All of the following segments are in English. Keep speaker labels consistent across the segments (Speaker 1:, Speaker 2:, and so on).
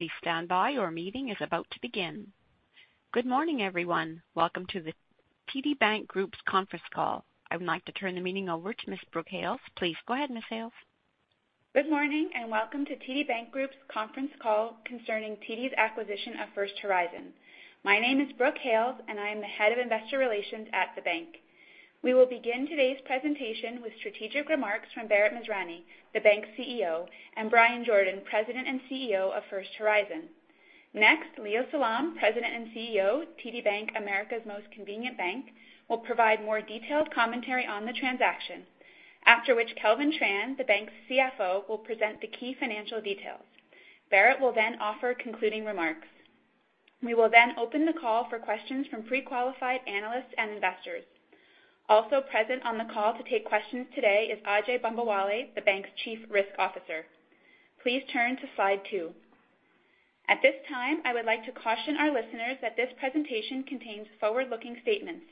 Speaker 1: Good morning, everyone. Welcome to the TD Bank Group's conference call. I would like to turn the meeting over to Ms. Brooke Hales. Please go ahead, Ms. Hales.
Speaker 2: Good morning and welcome to TD Bank Group's conference call concerning TD's acquisition of First Horizon. My name is Brooke Hales, and I am the Head of Investor Relations at the bank. We will begin today's presentation with strategic remarks from Bharat Masrani, the bank's CEO, and Bryan Jordan, President and CEO of First Horizon. Next, Leo Salom, President and CEO of TD Bank, America's Most Convenient Bank, will provide more detailed commentary on the transaction. After which, Kelvin Tran, the bank's CFO, will present the key financial details. Bharat Masrani will then offer concluding remarks. We will then open the call for questions from pre-qualified analysts and investors. Also present on the call to take questions today is Ajai Bambawale, the bank's Chief Risk Officer. Please turn to slide two. At this time, I would like to caution our listeners that this presentation contains forward-looking statements,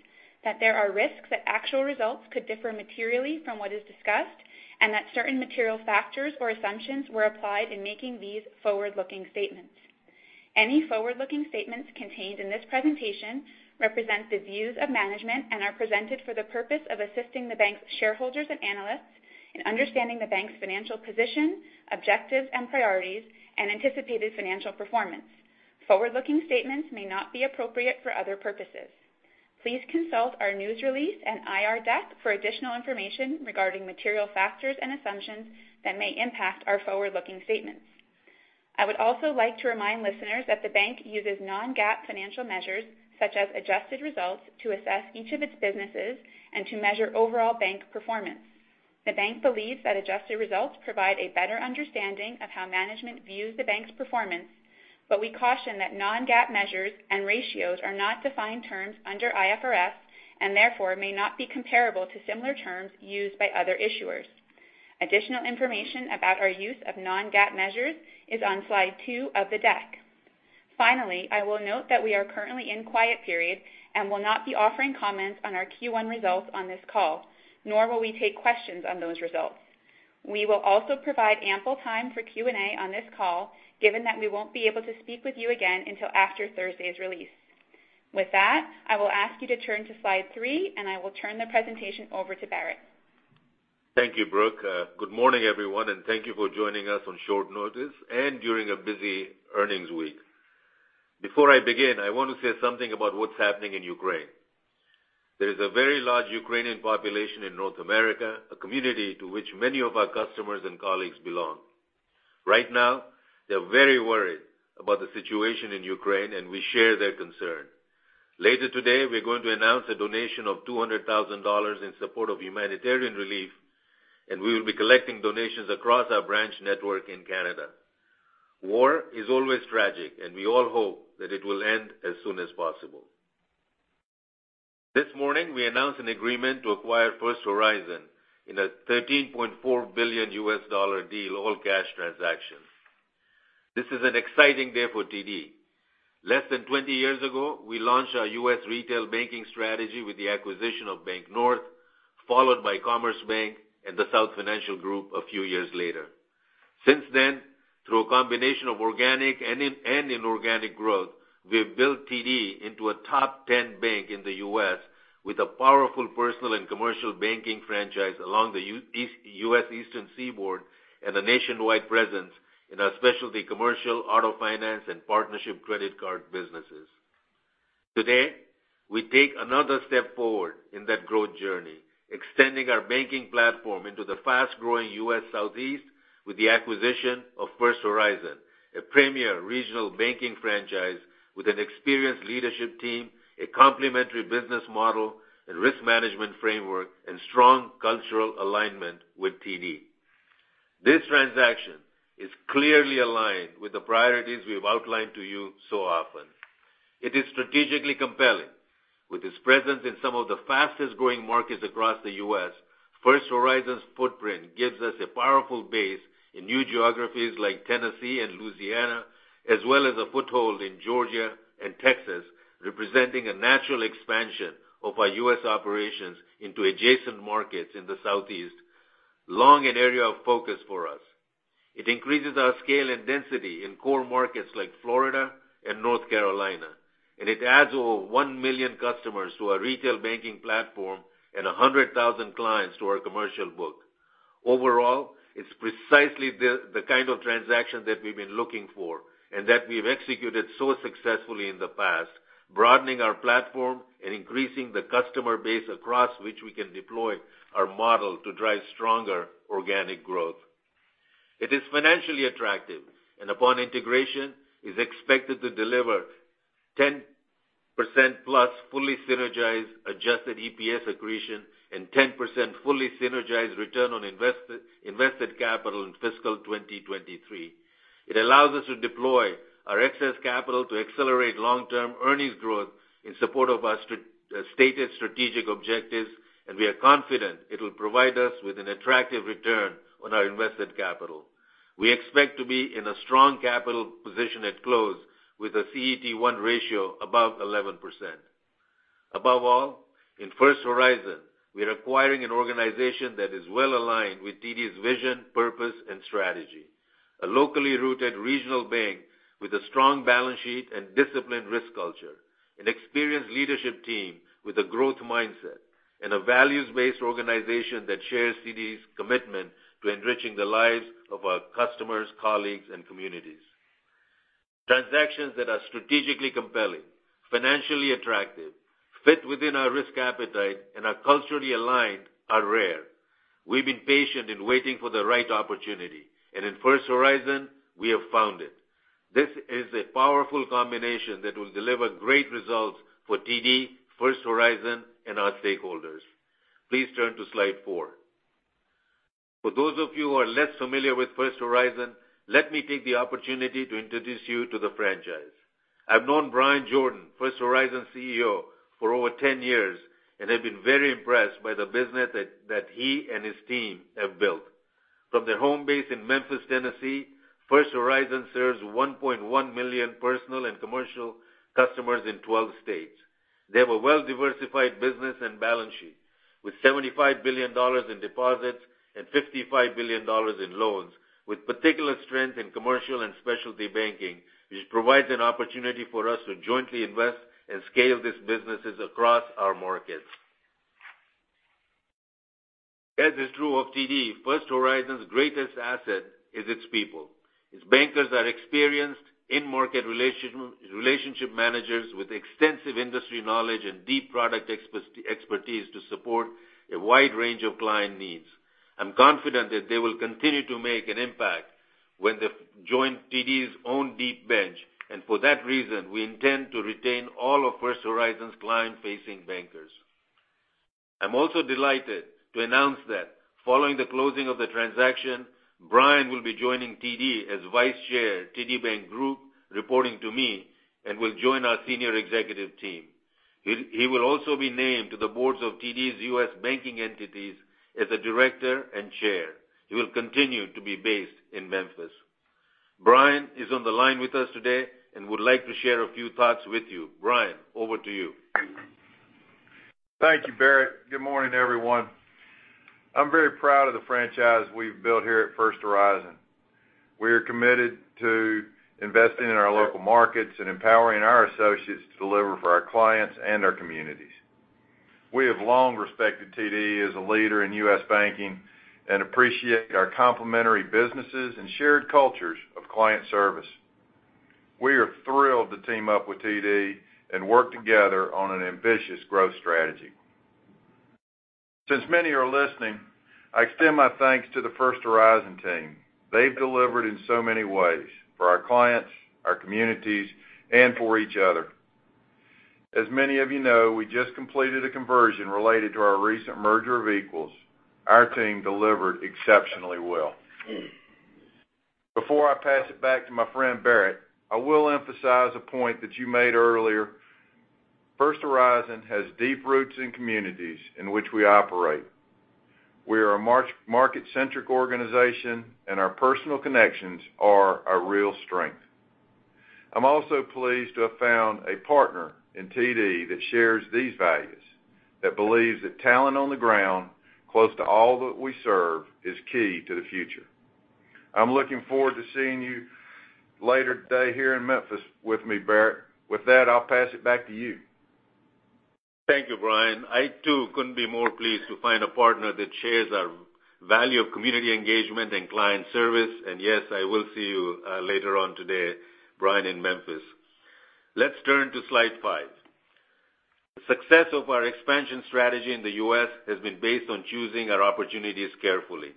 Speaker 2: that there are risks that actual results could differ materially from what is discussed, and that certain material factors or assumptions were applied in making these forward-looking statements. Any forward-looking statements contained in this presentation represent the views of management and are presented for the purpose of assisting the bank's shareholders and analysts in understanding the bank's financial position, objectives, and priorities, and anticipated financial performance. Forward-looking statements may not be appropriate for other purposes. Please consult our news release and IR deck for additional information regarding material factors and assumptions that may impact our forward-looking statements. I would also like to remind listeners that the bank uses non-GAAP financial measures, such as adjusted results, to assess each of its businesses and to measure overall bank performance. The bank believes that adjusted results provide a better understanding of how management views the bank's performance, but we caution that non-GAAP measures and ratios are not defined terms under IFRS and therefore may not be comparable to similar terms used by other issuers. Additional information about our use of non-GAAP measures is on slide 2 of the deck. Finally, I will note that we are currently in quiet period and will not be offering comments on our Q1 results on this call, nor will we take questions on those results. We will also provide ample time for Q&A on this call, given that we won't be able to speak with you again until after Thursday's release. With that, I will ask you to turn to slide 3, and I will turn the presentation over to Bharat Masrani.
Speaker 3: Thank you, Brooke. Good morning, everyone, and thank you for joining us on short notice and during a busy earnings week. Before I begin, I want to say something about what's happening in Ukraine. There is a very large Ukrainian population in North America, a community to which many of our customers and colleagues belong. Right now, they're very worried about the situation in Ukraine, and we share their concern. Later today, we're going to announce a donation of 200 thousand dollars in support of humanitarian relief, and we will be collecting donations across our branch network in Canada. War is always tragic, and we all hope that it will end as soon as possible. This morning, we announced an agreement to acquire First Horizon in a $13.4 billion all-cash transaction. This is an exciting day for TD. Less than 20 years ago, we launched our U.S. retail banking strategy with the acquisition of Banknorth, followed by Commerce Bank and The South Financial Group a few years later. Since then, through a combination of organic and inorganic growth, we have built TD into a top 10 bank in the U.S. with a powerful personal and commercial banking franchise along the U.S. Eastern Seaboard and a nationwide presence in our specialty commercial auto finance and partnership credit card businesses. Today, we take another step forward in that growth journey, extending our banking platform into the fast-growing U.S. Southeast with the acquisition of First Horizon, a premier regional banking franchise with an experienced leadership team, a complementary business model and risk management framework, and strong cultural alignment with TD. This transaction is clearly aligned with the priorities we've outlined to you so often. It is strategically compelling. With its presence in some of the fastest-growing markets across the U.S., First Horizon's footprint gives us a powerful base in new geographies like Tennessee and Louisiana, as well as a foothold in Georgia and Texas, representing a natural expansion of our U.S. operations into adjacent markets in the Southeast, long an area of focus for us. It increases our scale and density in core markets like Florida and North Carolina, and it adds over 1 million customers to our retail banking platform and 100,000 clients to our commercial book. Overall, it's precisely the kind of transaction that we've been looking for and that we've executed so successfully in the past, broadening our platform and increasing the customer base across which we can deploy our model to drive stronger organic growth. It is financially attractive and upon integration, is expected to deliver 10%+ fully synergized adjusted EPS accretion and 10% fully synergized return on invested capital in fiscal 2023. It allows us to deploy our excess capital to accelerate long-term earnings growth in support of our stated strategic objectives, and we are confident it will provide us with an attractive return on our invested capital. We expect to be in a strong capital position at close with a CET1 ratio above 11%. Above all, in First Horizon, we are acquiring an organization that is well-aligned with TD's vision, purpose, and strategy. A locally-rooted regional bank with a strong balance sheet and disciplined risk culture, an experienced leadership team with a growth mindset, and a values-based organization that shares TD's commitment to enriching the lives of our customers, colleagues, and communities. Transactions that are strategically compelling, financially attractive, fit within our risk appetite, and are culturally aligned are rare. We've been patient in waiting for the right opportunity, and in First Horizon, we have found it. This is a powerful combination that will deliver great results for TD, First Horizon, and our stakeholders. Please turn to slide 4. For those of you who are less familiar with First Horizon, let me take the opportunity to introduce you to the franchise. I've known Bryan Jordan, First Horizon's CEO, for over 10 years and have been very impressed by the business that he and his team have built. From their home base in Memphis, Tennessee, First Horizon serves 1.1 million personal and commercial customers in 12 states. They have a well-diversified business and balance sheet, with $75 billion in deposits and $55 billion in loans, with particular strength in commercial and specialty banking, which provides an opportunity for us to jointly invest and scale these businesses across our markets. As is true of TD, First Horizon's greatest asset is its people. Its bankers are experienced in-market relationship managers with extensive industry knowledge and deep product expertise to support a wide range of client needs. I'm confident that they will continue to make an impact when they join TD's own deep bench, and for that reason, we intend to retain all of First Horizon's client-facing bankers. I'm also delighted to announce that following the closing of the transaction, Bryan will be joining TD as Vice Chair, TD Bank Group, reporting to me, and will join our senior executive team. He will also be named to the boards of TD's U.S. banking entities as a director and chair. He will continue to be based in Memphis. Bryan is on the line with us today and would like to share a few thoughts with you. Bryan, over to you.
Speaker 4: Thank you, Bharat. Good morning, everyone. I'm very proud of the franchise we've built here at First Horizon. We are committed to investing in our local markets and empowering our associates to deliver for our clients and our communities. We have long respected TD as a leader in U.S. banking and appreciate our complementary businesses and shared cultures of client service. We are thrilled to team up with TD and work together on an ambitious growth strategy. Since many are listening, I extend my thanks to the First Horizon team. They've delivered in so many ways for our clients, our communities, and for each other. As many of you know, we just completed a conversion related to our recent merger of equals. Our team delivered exceptionally well. Before I pass it back to my friend, Bharat, I will emphasize a point that you made earlier. First Horizon has deep roots in communities in which we operate. We are a market-centric organization, and our personal connections are our real strength. I'm also pleased to have found a partner in TD that shares these values, that believes that talent on the ground, close to all that we serve, is key to the future. I'm looking forward to seeing you later today here in Memphis with me, Bharat. With that, I'll pass it back to you.
Speaker 3: Thank you, Bryan. I, too, couldn't be more pleased to find a partner that shares our value of community engagement and client service. Yes, I will see you later on today, Bryan, in Memphis. Let's turn to slide 5. The success of our expansion strategy in the U.S. has been based on choosing our opportunities carefully,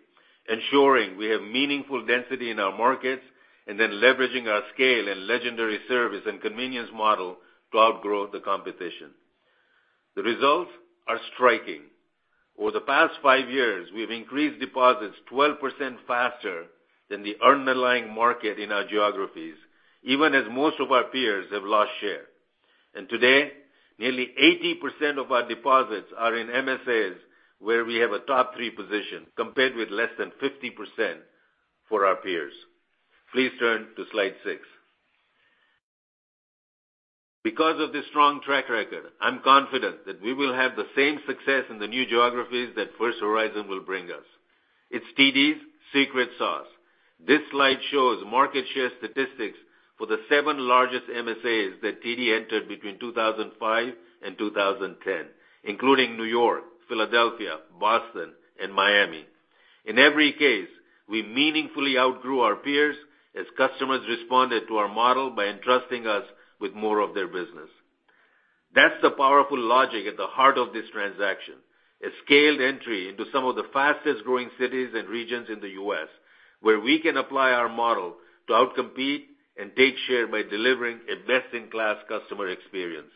Speaker 3: ensuring we have meaningful density in our markets, and then leveraging our scale and legendary service and convenience model to outgrow the competition. The results are striking. Over the past 5 years, we have increased deposits 12% faster than the underlying market in our geographies, even as most of our peers have lost share. Today, nearly 80% of our deposits are in MSAs, where we have a top three position, compared with less than 50% for our peers. Please turn to slide 6. Because of this strong track record, I'm confident that we will have the same success in the new geographies that First Horizon will bring us. It's TD's secret sauce. This slide shows market share statistics for the seven largest MSAs that TD entered between 2005 and 2010, including New York, Philadelphia, Boston, and Miami. In every case, we meaningfully outgrew our peers as customers responded to our model by entrusting us with more of their business. That's the powerful logic at the heart of this transaction, a scaled entry into some of the fastest-growing cities and regions in the U.S., where we can apply our model to outcompete and take share by delivering a best-in-class customer experience.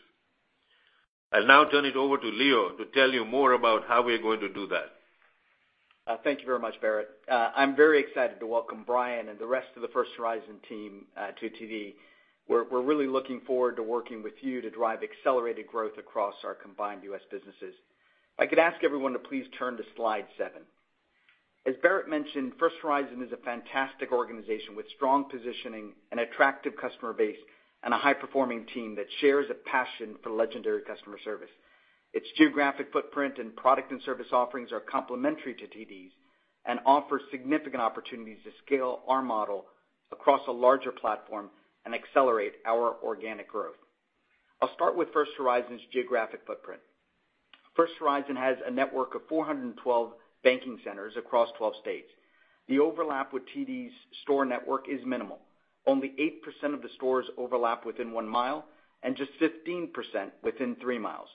Speaker 3: I'll now turn it over to Leo to tell you more about how we are going to do that.
Speaker 5: Thank you very much, Bharat. I'm very excited to welcome Bryan and the rest of the First Horizon team to TD. We're really looking forward to working with you to drive accelerated growth across our combined U.S. businesses. If I could ask everyone to please turn to slide seven. As Bharat mentioned, First Horizon is a fantastic organization with strong positioning, an attractive customer base, and a high-performing team that shares a passion for legendary customer service. Its geographic footprint and product and service offerings are complementary to TD's and offer significant opportunities to scale our model across a larger platform and accelerate our organic growth. I'll start with First Horizon's geographic footprint. First Horizon has a network of 412 banking centers across 12 states. The overlap with TD's store network is minimal. Only 8% of the stores overlap within one mile and just 15% within three miles.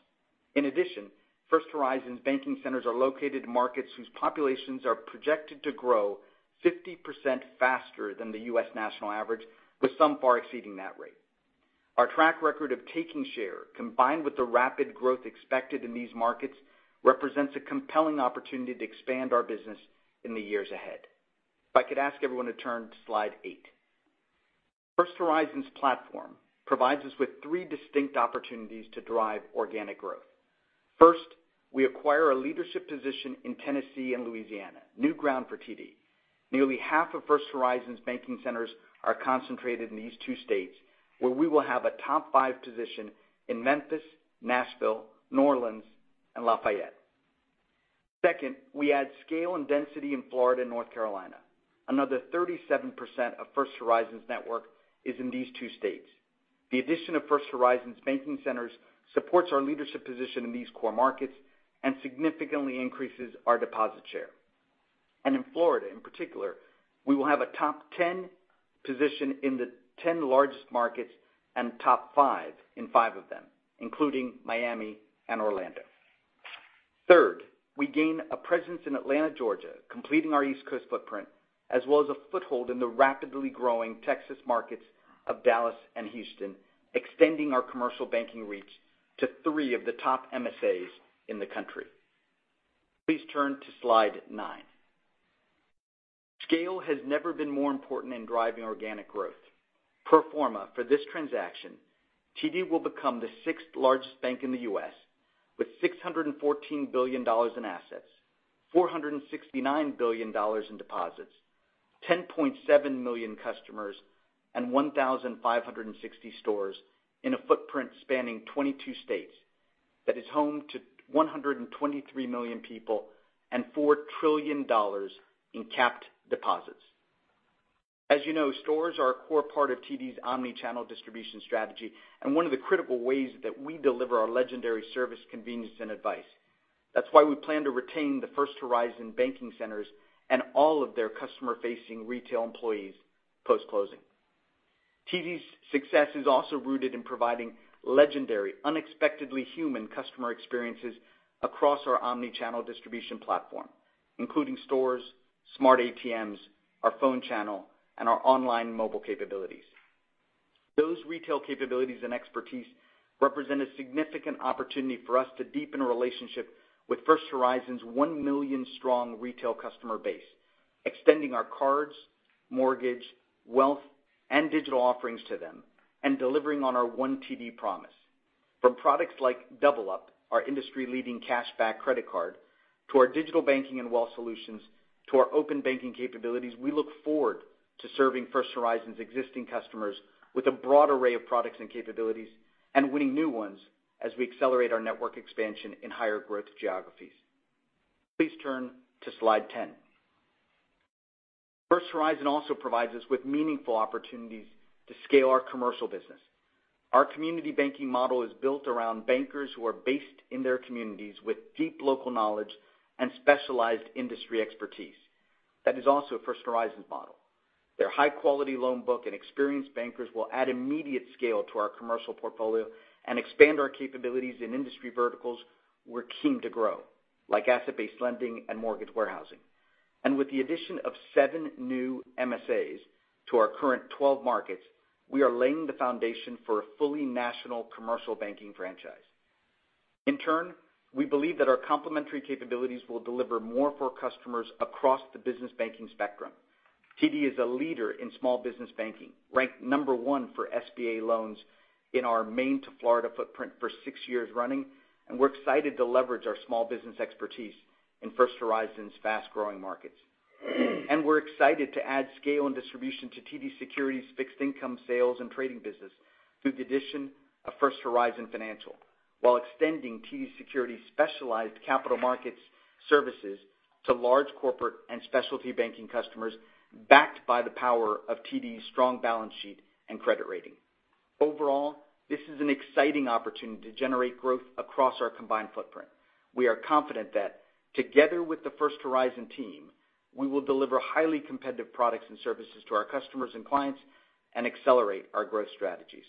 Speaker 5: In addition, First Horizon's banking centers are located in markets whose populations are projected to grow 50% faster than the U.S. national average, with some far exceeding that rate. Our track record of taking share, combined with the rapid growth expected in these markets, represents a compelling opportunity to expand our business in the years ahead. If I could ask everyone to turn to slide 8. First Horizon's platform provides us with three distinct opportunities to drive organic growth. First, we acquire a leadership position in Tennessee and Louisiana, new ground for TD. Nearly half of First Horizon's banking centers are concentrated in these two states, where we will have a top five position in Memphis, Nashville, New Orleans, and Lafayette. Second, we add scale and density in Florida and North Carolina. Another 37% of First Horizon's network is in these two states. The addition of First Horizon's banking centers supports our leadership position in these core markets and significantly increases our deposit share. In Florida, in particular, we will have a top 10 position in the 10 largest markets and top 5 in 5 of them, including Miami and Orlando. Third, we gain a presence in Atlanta, Georgia, completing our East Coast footprint, as well as a foothold in the rapidly growing Texas markets of Dallas and Houston, extending our commercial banking reach to 3 of the top MSAs in the country. Please turn to slide 9. Scale has never been more important in driving organic growth. Pro forma for this transaction, TD will become the sixth-largest bank in the U.S., with $614 billion in assets, $469 billion in deposits, 10.7 million customers, and 1,560 stores in a footprint spanning 22 states that is home to 123 million people and $4 trillion in GDP. As you know, stores are a core part of TD's omnichannel distribution strategy and one of the critical ways that we deliver our legendary service, convenience, and advice. That's why we plan to retain the First Horizon banking centers and all of their customer-facing retail employees post-closing. TD's success is also rooted in providing legendary, unexpectedly human customer experiences across our omnichannel distribution platform, including stores, smart ATMs, our phone channel, and our online mobile capabilities. Those retail capabilities and expertise represent a significant opportunity for us to deepen a relationship with First Horizon's 1 million-strong retail customer base, extending our cards, mortgage, wealth, and digital offerings to them, and delivering on our one TD promise. From products like Double Up, our industry-leading cash-back credit card, to our digital banking and wealth solutions, to our open banking capabilities, we look forward to serving First Horizon's existing customers with a broad array of products and capabilities and winning new ones as we accelerate our network expansion in higher growth geographies. Please turn to slide 10. First Horizon also provides us with meaningful opportunities to scale our commercial business. Our community banking model is built around bankers who are based in their communities with deep local knowledge and specialized industry expertise. That is also First Horizon's model. Their high-quality loan book and experienced bankers will add immediate scale to our commercial portfolio and expand our capabilities in industry verticals we're keen to grow, like asset-based lending and mortgage warehousing. With the addition of seven new MSAs to our current 12 markets, we are laying the foundation for a fully national commercial banking franchise. In turn, we believe that our complementary capabilities will deliver more for our customers across the business banking spectrum. TD is a leader in small business banking, ranked number one for SBA loans in our Maine to Florida footprint for six years running, and we're excited to leverage our small business expertise in First Horizon's fast-growing markets. We're excited to add scale and distribution to TD Securities fixed income sales and trading business through the addition of First Horizon Financial, while extending TD Securities specialized capital markets services to large corporate and specialty banking customers backed by the power of TD's strong balance sheet and credit rating. Overall, this is an exciting opportunity to generate growth across our combined footprint. We are confident that together with the First Horizon team, we will deliver highly competitive products and services to our customers and clients and accelerate our growth strategies.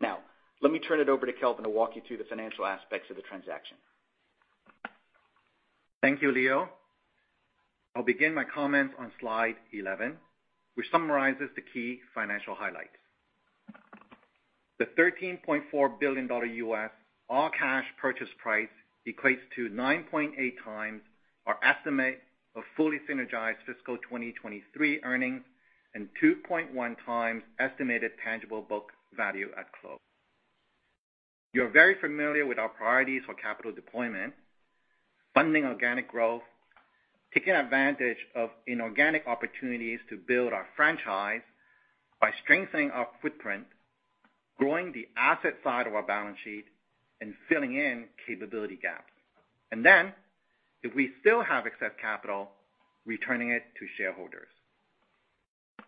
Speaker 5: Now, let me turn it over to Kelvin to walk you through the financial aspects of the transaction.
Speaker 6: Thank you, Leo. I'll begin my comments on slide 11, which summarizes the key financial highlights. The $13.4 billion U.S. all-cash purchase price equates to 9.8 times our estimate of fully synergized fiscal 2023 earnings and 2.1x estimated tangible book value at close. You're very familiar with our priorities for capital deployment, funding organic growth, taking advantage of inorganic opportunities to build our franchise by strengthening our footprint, growing the asset side of our balance sheet, and filling in capability gaps. If we still have excess capital, returning it to shareholders.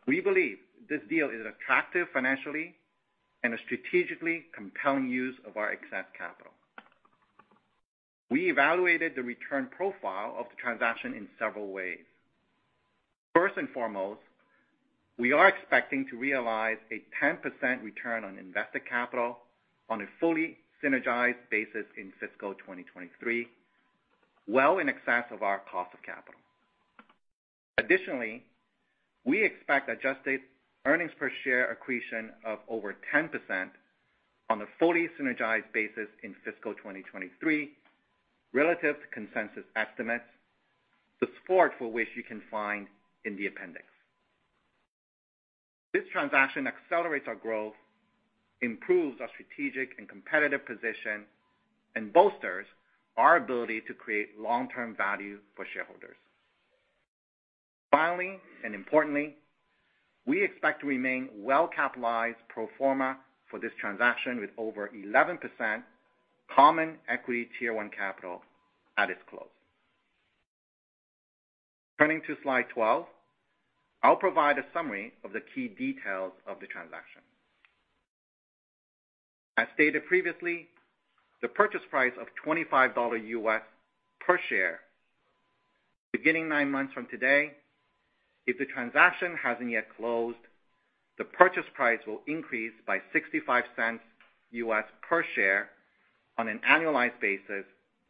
Speaker 6: We believe this deal is attractive financially and a strategically compelling use of our excess capital. We evaluated the return profile of the transaction in several ways. First and foremost, we are expecting to realize a 10% return on invested capital on a fully synergized basis in fiscal 2023, well in excess of our cost of capital. Additionally, we expect adjusted earnings per share accretion of over 10% on a fully synergized basis in fiscal 2023 relative to consensus estimates, the support for which you can find in the appendix. This transaction accelerates our growth, improves our strategic and competitive position, and bolsters our ability to create long-term value for shareholders. Finally, and importantly, we expect to remain well capitalized pro forma for this transaction with over 11% common equity Tier 1 capital at its close. Turning to slide 12, I'll provide a summary of the key details of the transaction. As stated previously, the purchase price of $25 per share beginning nine months from today. If the transaction hasn't yet closed, the purchase price will increase by $0.65 per share on an annualized basis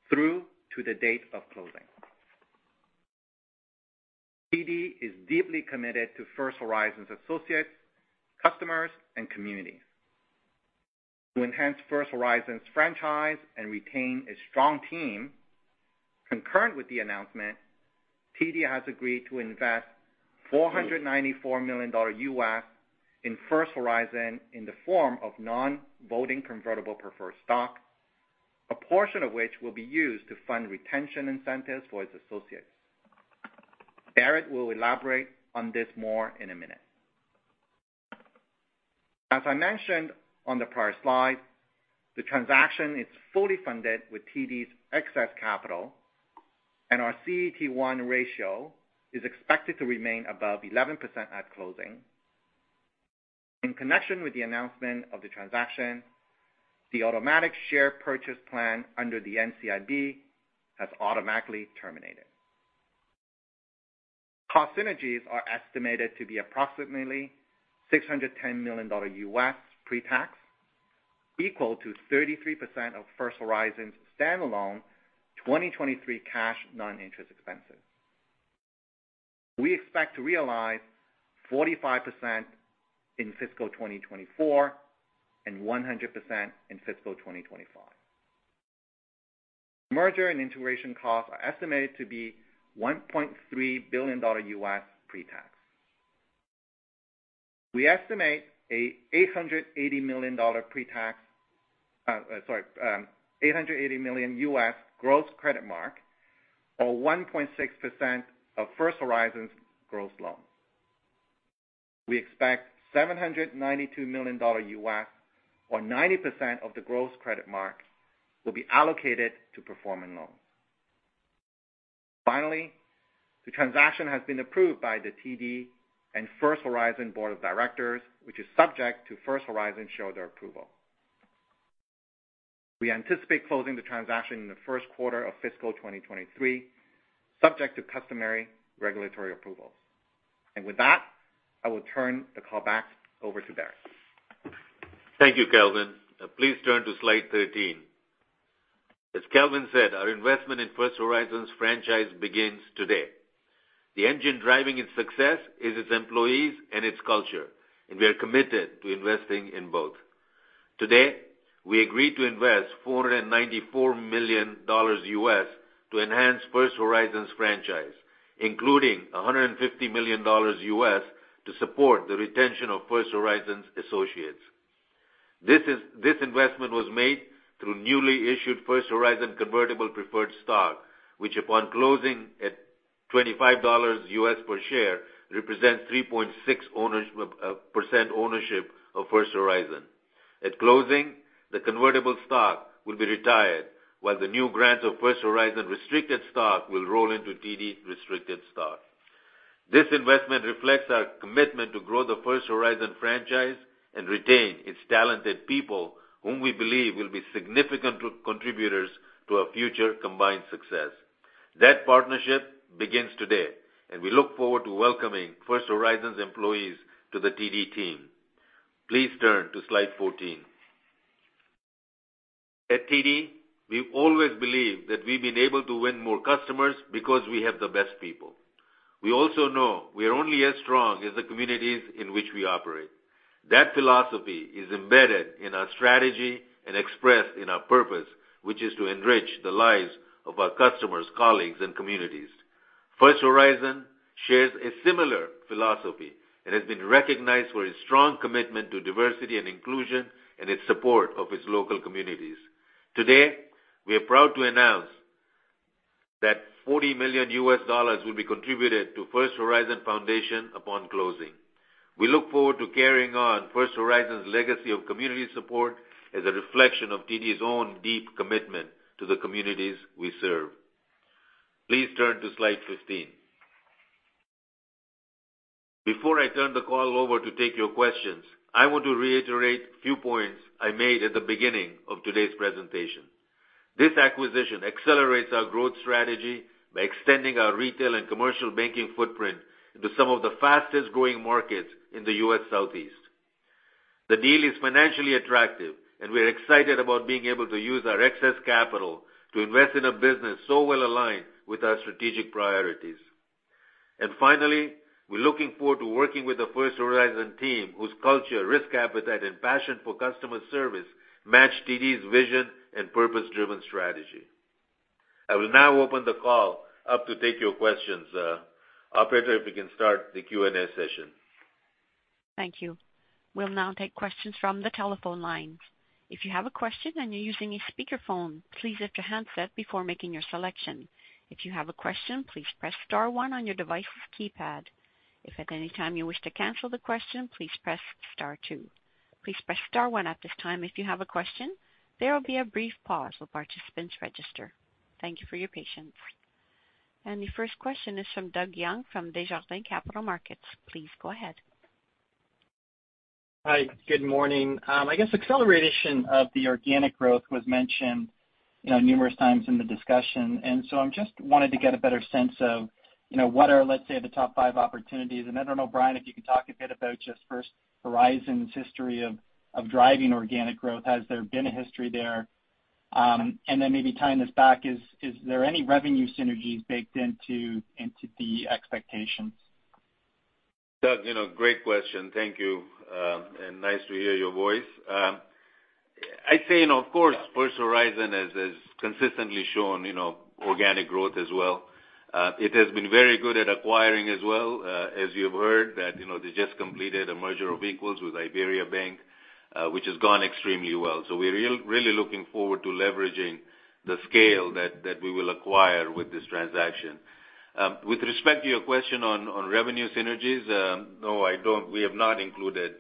Speaker 6: through to the date of closing. TD is deeply committed to First Horizon's associates, customers, and communities. To enhance First Horizon's franchise and retain a strong team, concurrent with the announcement, TD has agreed to invest $494 million in First Horizon in the form of non-voting convertible preferred stock, a portion of which will be used to fund retention incentives for its associates. Bharat will elaborate on this more in a minute. As I mentioned on the prior slide, the transaction is fully funded with TD's excess capital, and our CET1 ratio is expected to remain above 11% at closing. In connection with the announcement of the transaction, the automatic share purchase plan under the NCIB has automatically terminated. Cost synergies are estimated to be approximately $610 million pre-tax, equal to 33% of First Horizon's standalone 2023 cash non-interest expenses. We expect to realize 45% in fiscal 2024 and 100% in fiscal 2025. Merger and integration costs are estimated to be $1.3 billion pre-tax. We estimate $880 million gross credit mark, or 1.6% of First Horizon's gross loans. We expect $792 million, or 90% of the gross credit mark will be allocated to performing loans. Finally, the transaction has been approved by the TD and First Horizon Board of Directors, which is subject to First Horizon shareholder approval. We anticipate closing the transaction in the first quarter of fiscal 2023, subject to customary regulatory approvals. With that, I will turn the call back over to Bharat.
Speaker 3: Thank you, Kelvin. Please turn to slide 13. As Kelvin said, our investment in First Horizon's franchise begins today. The engine driving its success is its employees and its culture, and we are committed to investing in both. Today, we agreed to invest $494 million to enhance First Horizon's franchise, including $150 million to support the retention of First Horizon's associates. This investment was made through newly issued First Horizon convertible preferred stock, which, upon closing at $25 per share, represents 3.6% ownership of First Horizon. At closing, the convertible stock will be retired while the new grants of First Horizon restricted stock will roll into TD restricted stock. This investment reflects our commitment to grow the First Horizon franchise and retain its talented people, whom we believe will be significant contributors to our future combined success. That partnership begins today, and we look forward to welcoming First Horizon's employees to the TD team. Please turn to slide 14. At TD, we've always believed that we've been able to win more customers because we have the best people. We also know we are only as strong as the communities in which we operate. That philosophy is embedded in our strategy and expressed in our purpose, which is to enrich the lives of our customers, colleagues, and communities. First Horizon shares a similar philosophy and has been recognized for its strong commitment to diversity and inclusion and its support of its local communities. Today, we are proud to announce that $40 million will be contributed to First Horizon Foundation upon closing. We look forward to carrying on First Horizon's legacy of community support as a reflection of TD's own deep commitment to the communities we serve. Please turn to slide 15. Before I turn the call over to take your questions, I want to reiterate a few points I made at the beginning of today's presentation. This acquisition accelerates our growth strategy by extending our retail and commercial banking footprint into some of the fastest-growing markets in the U.S. Southeast. The deal is financially attractive, and we're excited about being able to use our excess capital to invest in a business so well-aligned with our strategic priorities. Finally, we're looking forward to working with the First Horizon team, whose culture, risk appetite, and passion for customer service match TD's vision and purpose-driven strategy. I will now open the call up to take your questions. Operator, if we can start the Q&A session.
Speaker 1: Thank you. We'll now take questions from the telephone lines. The first question is from Doug Young from Desjardins Capital Markets. Please go ahead.
Speaker 7: Hi. Good morning. I guess acceleration of the organic growth was mentioned, you know, numerous times in the discussion, and so I wanted to get a better sense of, you know, what are, let's say, the top five opportunities. I don't know, Bryan, if you could talk a bit about just First Horizon's history of driving organic growth. Has there been a history there? Maybe tying this back, is there any revenue synergies baked into the expectations?
Speaker 3: Doug, you know, great question. Thank you. Nice to hear your voice. I'd say, you know, of course, First Horizon has consistently shown, you know, organic growth as well. It has been very good at acquiring as well, as you've heard that, you know, they just completed a merger of equals with IBERIABANK, which has gone extremely well. We're really looking forward to leveraging the scale that we will acquire with this transaction. With respect to your question on revenue synergies, no, we have not included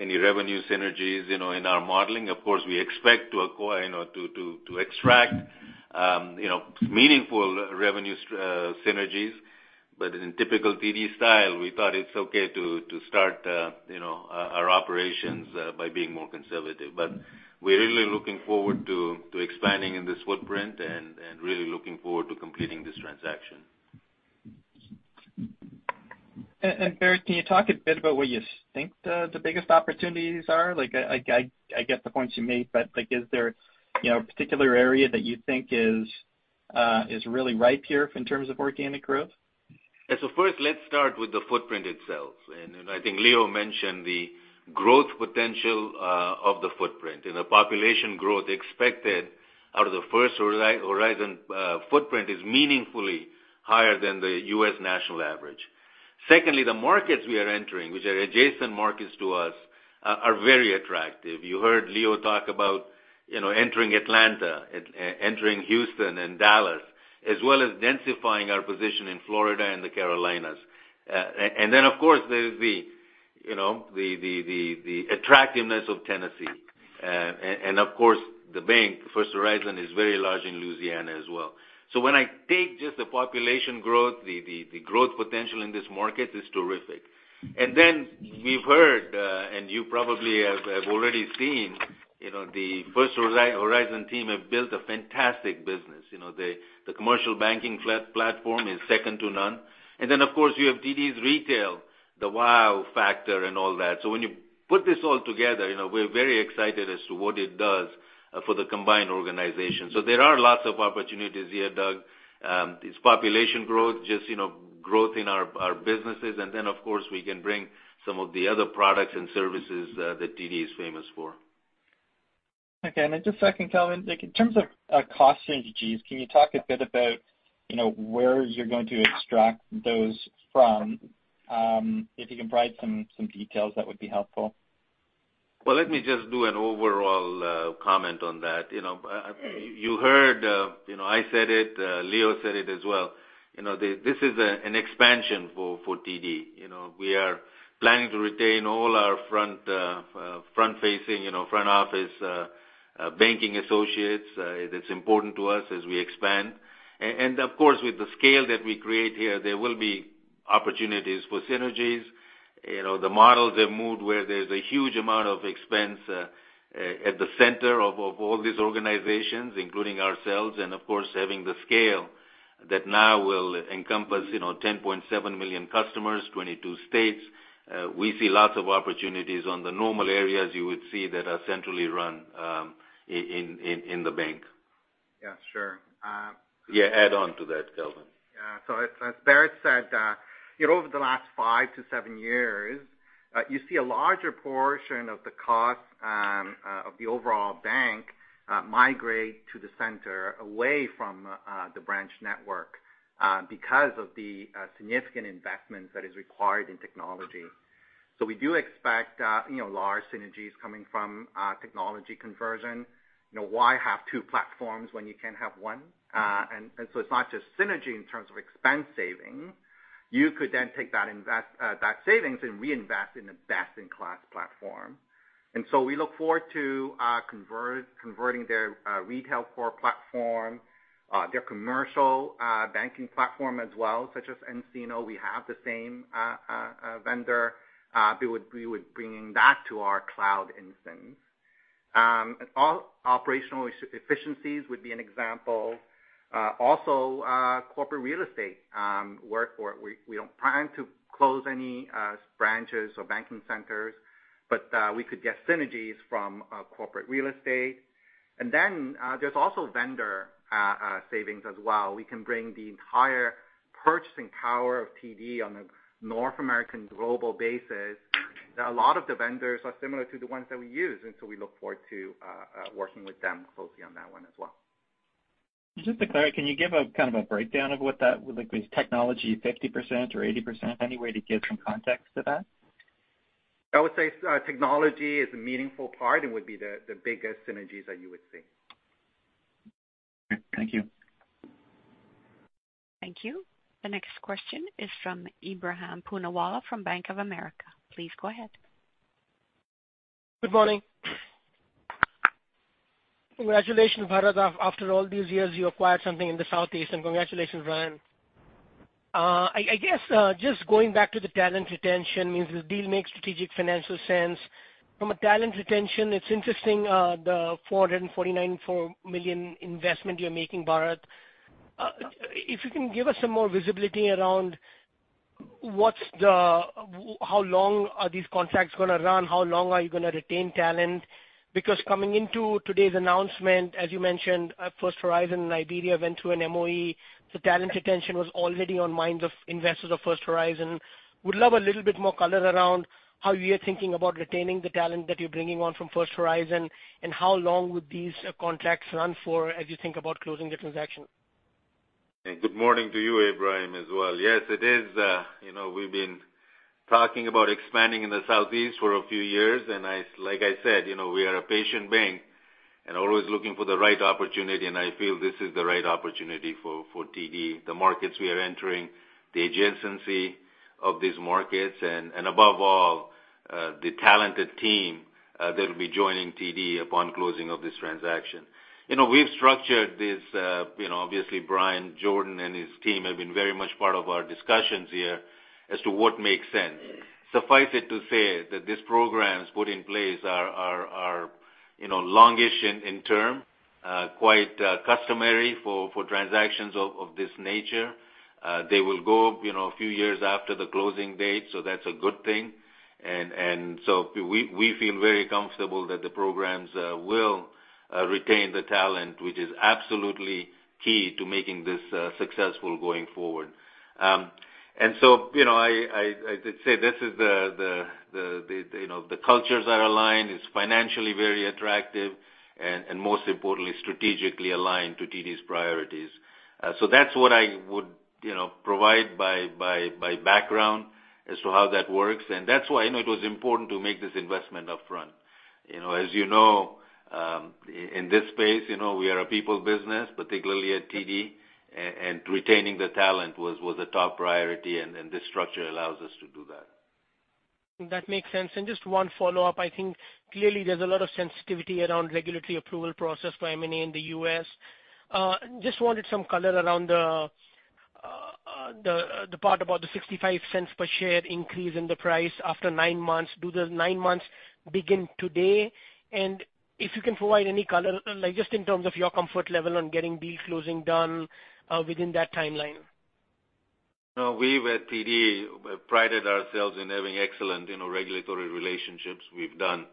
Speaker 3: any revenue synergies, you know, in our modeling. Of course, we expect to acquire or to extract, you know, meaningful revenue synergies. In typical TD style, we thought it's okay to start, you know, our operations by being more conservative. We're really looking forward to expanding in this footprint and really looking forward to completing this transaction.
Speaker 7: Bharat, can you talk a bit about what you think the biggest opportunities are? Like, I get the points you made, but, like, is there, you know, a particular area that you think is really ripe here in terms of organic growth?
Speaker 3: Yeah. First, let's start with the footprint itself. I think Leo mentioned the growth potential of the footprint, and the population growth expected out of the First Horizon footprint is meaningfully higher than the U.S. national average. Secondly, the markets we are entering, which are adjacent markets to us, are very attractive. You heard Leo talk about, you know, entering Atlanta, entering Houston and Dallas, as well as densifying our position in Florida and the Carolinas. Of course, there's, you know, the attractiveness of Tennessee. Of course, the bank, First Horizon, is very large in Louisiana as well. When I take just the population growth, the growth potential in this market is terrific. We've heard, and you probably have already seen, you know, the First Horizon team have built a fantastic business. You know, the commercial banking platform is second to none. Of course, you have TD's retail, the wow factor and all that. When you put this all together, you know, we're very excited as to what it does for the combined organization. There are lots of opportunities here, Doug. It's population growth, just, you know, growth in our businesses. Of course, we can bring some of the other products and services that TD is famous for.
Speaker 7: Okay. Just a second, Kelvin. Like, in terms of cost synergies, can you talk a bit about, you know, where you're going to extract those from? If you can provide some details, that would be helpful.
Speaker 3: Well, let me just do an overall comment on that. You know, you heard, you know, I said it, Leo said it as well. You know, this is an expansion for TD. You know, we are planning to retain all our front-facing front office banking associates. That's important to us as we expand. Of course, with the scale that we create here, there will be opportunities for synergies. You know, the models have moved where there's a huge amount of expense at the center of all these organizations, including ourselves, and of course, having the scale that now will encompass, you know, 10.7 million customers, 22 states. We see lots of opportunities on the normal areas you would see that are centrally run, in the bank.
Speaker 7: Yeah, sure.
Speaker 3: Yeah, add on to that, Kelvin.
Speaker 6: As Bharat said, you know, over the last five to seven years you see a larger portion of the cost of the overall bank migrate to the center away from the branch network because of the significant investment that is required in technology. We do expect large synergies coming from technology conversion. You know, why have two platforms when you can have one? It's not just synergy in terms of expense saving. You could then take that savings and reinvest in a best-in-class platform. We look forward to converting their retail core platform, their commercial banking platform as well, such as nCino. We have the same vendor. We would bringing that to our cloud instance. All operational efficiencies would be an example. Also, corporate real estate work for it. We don't plan to close any branches or banking centers, but we could get synergies from corporate real estate. Then, there's also vendor savings as well. We can bring the entire purchasing power of TD on a North American global basis. Now a lot of the vendors are similar to the ones that we use, and so we look forward to working with them closely on that one as well.
Speaker 7: Just to clarify, can you give a kind of a breakdown of what that would look like? Is technology 50% or 80%? Any way to give some context to that?
Speaker 6: I would say technology is a meaningful part and would be the biggest synergies that you would see.
Speaker 7: Okay. Thank you.
Speaker 1: Thank you. The next question is from Ebrahim Poonawala from Bank of America. Please go ahead.
Speaker 8: Good morning. Congratulations, Bharat. After all these years, you acquired something in the Southeast, and congratulations, Bryan. I guess just going back to the talent retention, means the deal makes strategic financial sense. From a talent retention, it's interesting, the $449.4 million investment you're making, Bharat. If you can give us some more visibility around what's the. How long are these contracts gonna run? How long are you gonna retain talent? Because coming into today's announcement, as you mentioned, First Horizon, IBERIABANK went through an MOE. The talent retention was already on minds of investors of First Horizon. Would love a little bit more color around how you're thinking about retaining the talent that you're bringing on from First Horizon, and how long would these contracts run for as you think about closing the transaction.
Speaker 3: Good morning to you, Ebrahim, as well. Yes, it is. You know, we've been talking about expanding in the Southeast for a few years, and I, like I said, you know, we are a patient bank and always looking for the right opportunity, and I feel this is the right opportunity for TD. The markets we are entering, the adjacency of these markets, and above all, the talented team that'll be joining TD upon closing of this transaction. You know, we've structured this, you know, obviously Bryan Jordan and his team have been very much part of our discussions here as to what makes sense. Suffice it to say that these programs put in place are, you know, longish in term, quite customary for transactions of this nature. They will go, you know, a few years after the closing date, so that's a good thing. So we feel very comfortable that the programs will retain the talent, which is absolutely key to making this successful going forward. You know, I'd say this is, you know, the cultures are aligned, it's financially very attractive, and most importantly, strategically aligned to TD's priorities. So that's what I would, you know, provide by background as to how that works. That's why I know it was important to make this investment upfront. You know, as you know, in this space, you know, we are a people business, particularly at TD, and retaining the talent was a top priority, and this structure allows us to do that.
Speaker 8: That makes sense. Just one follow-up. I think clearly there's a lot of sensitivity around regulatory approval process for M&A in the U.S. Just wanted some color around the part about the $0.65 per share increase in the price after nine months. Do the nine months begin today? If you can provide any color, like just in terms of your comfort level on getting deal closing done within that timeline.
Speaker 3: No. We at TD prided ourselves in having excellent, you know, regulatory relationships. We have done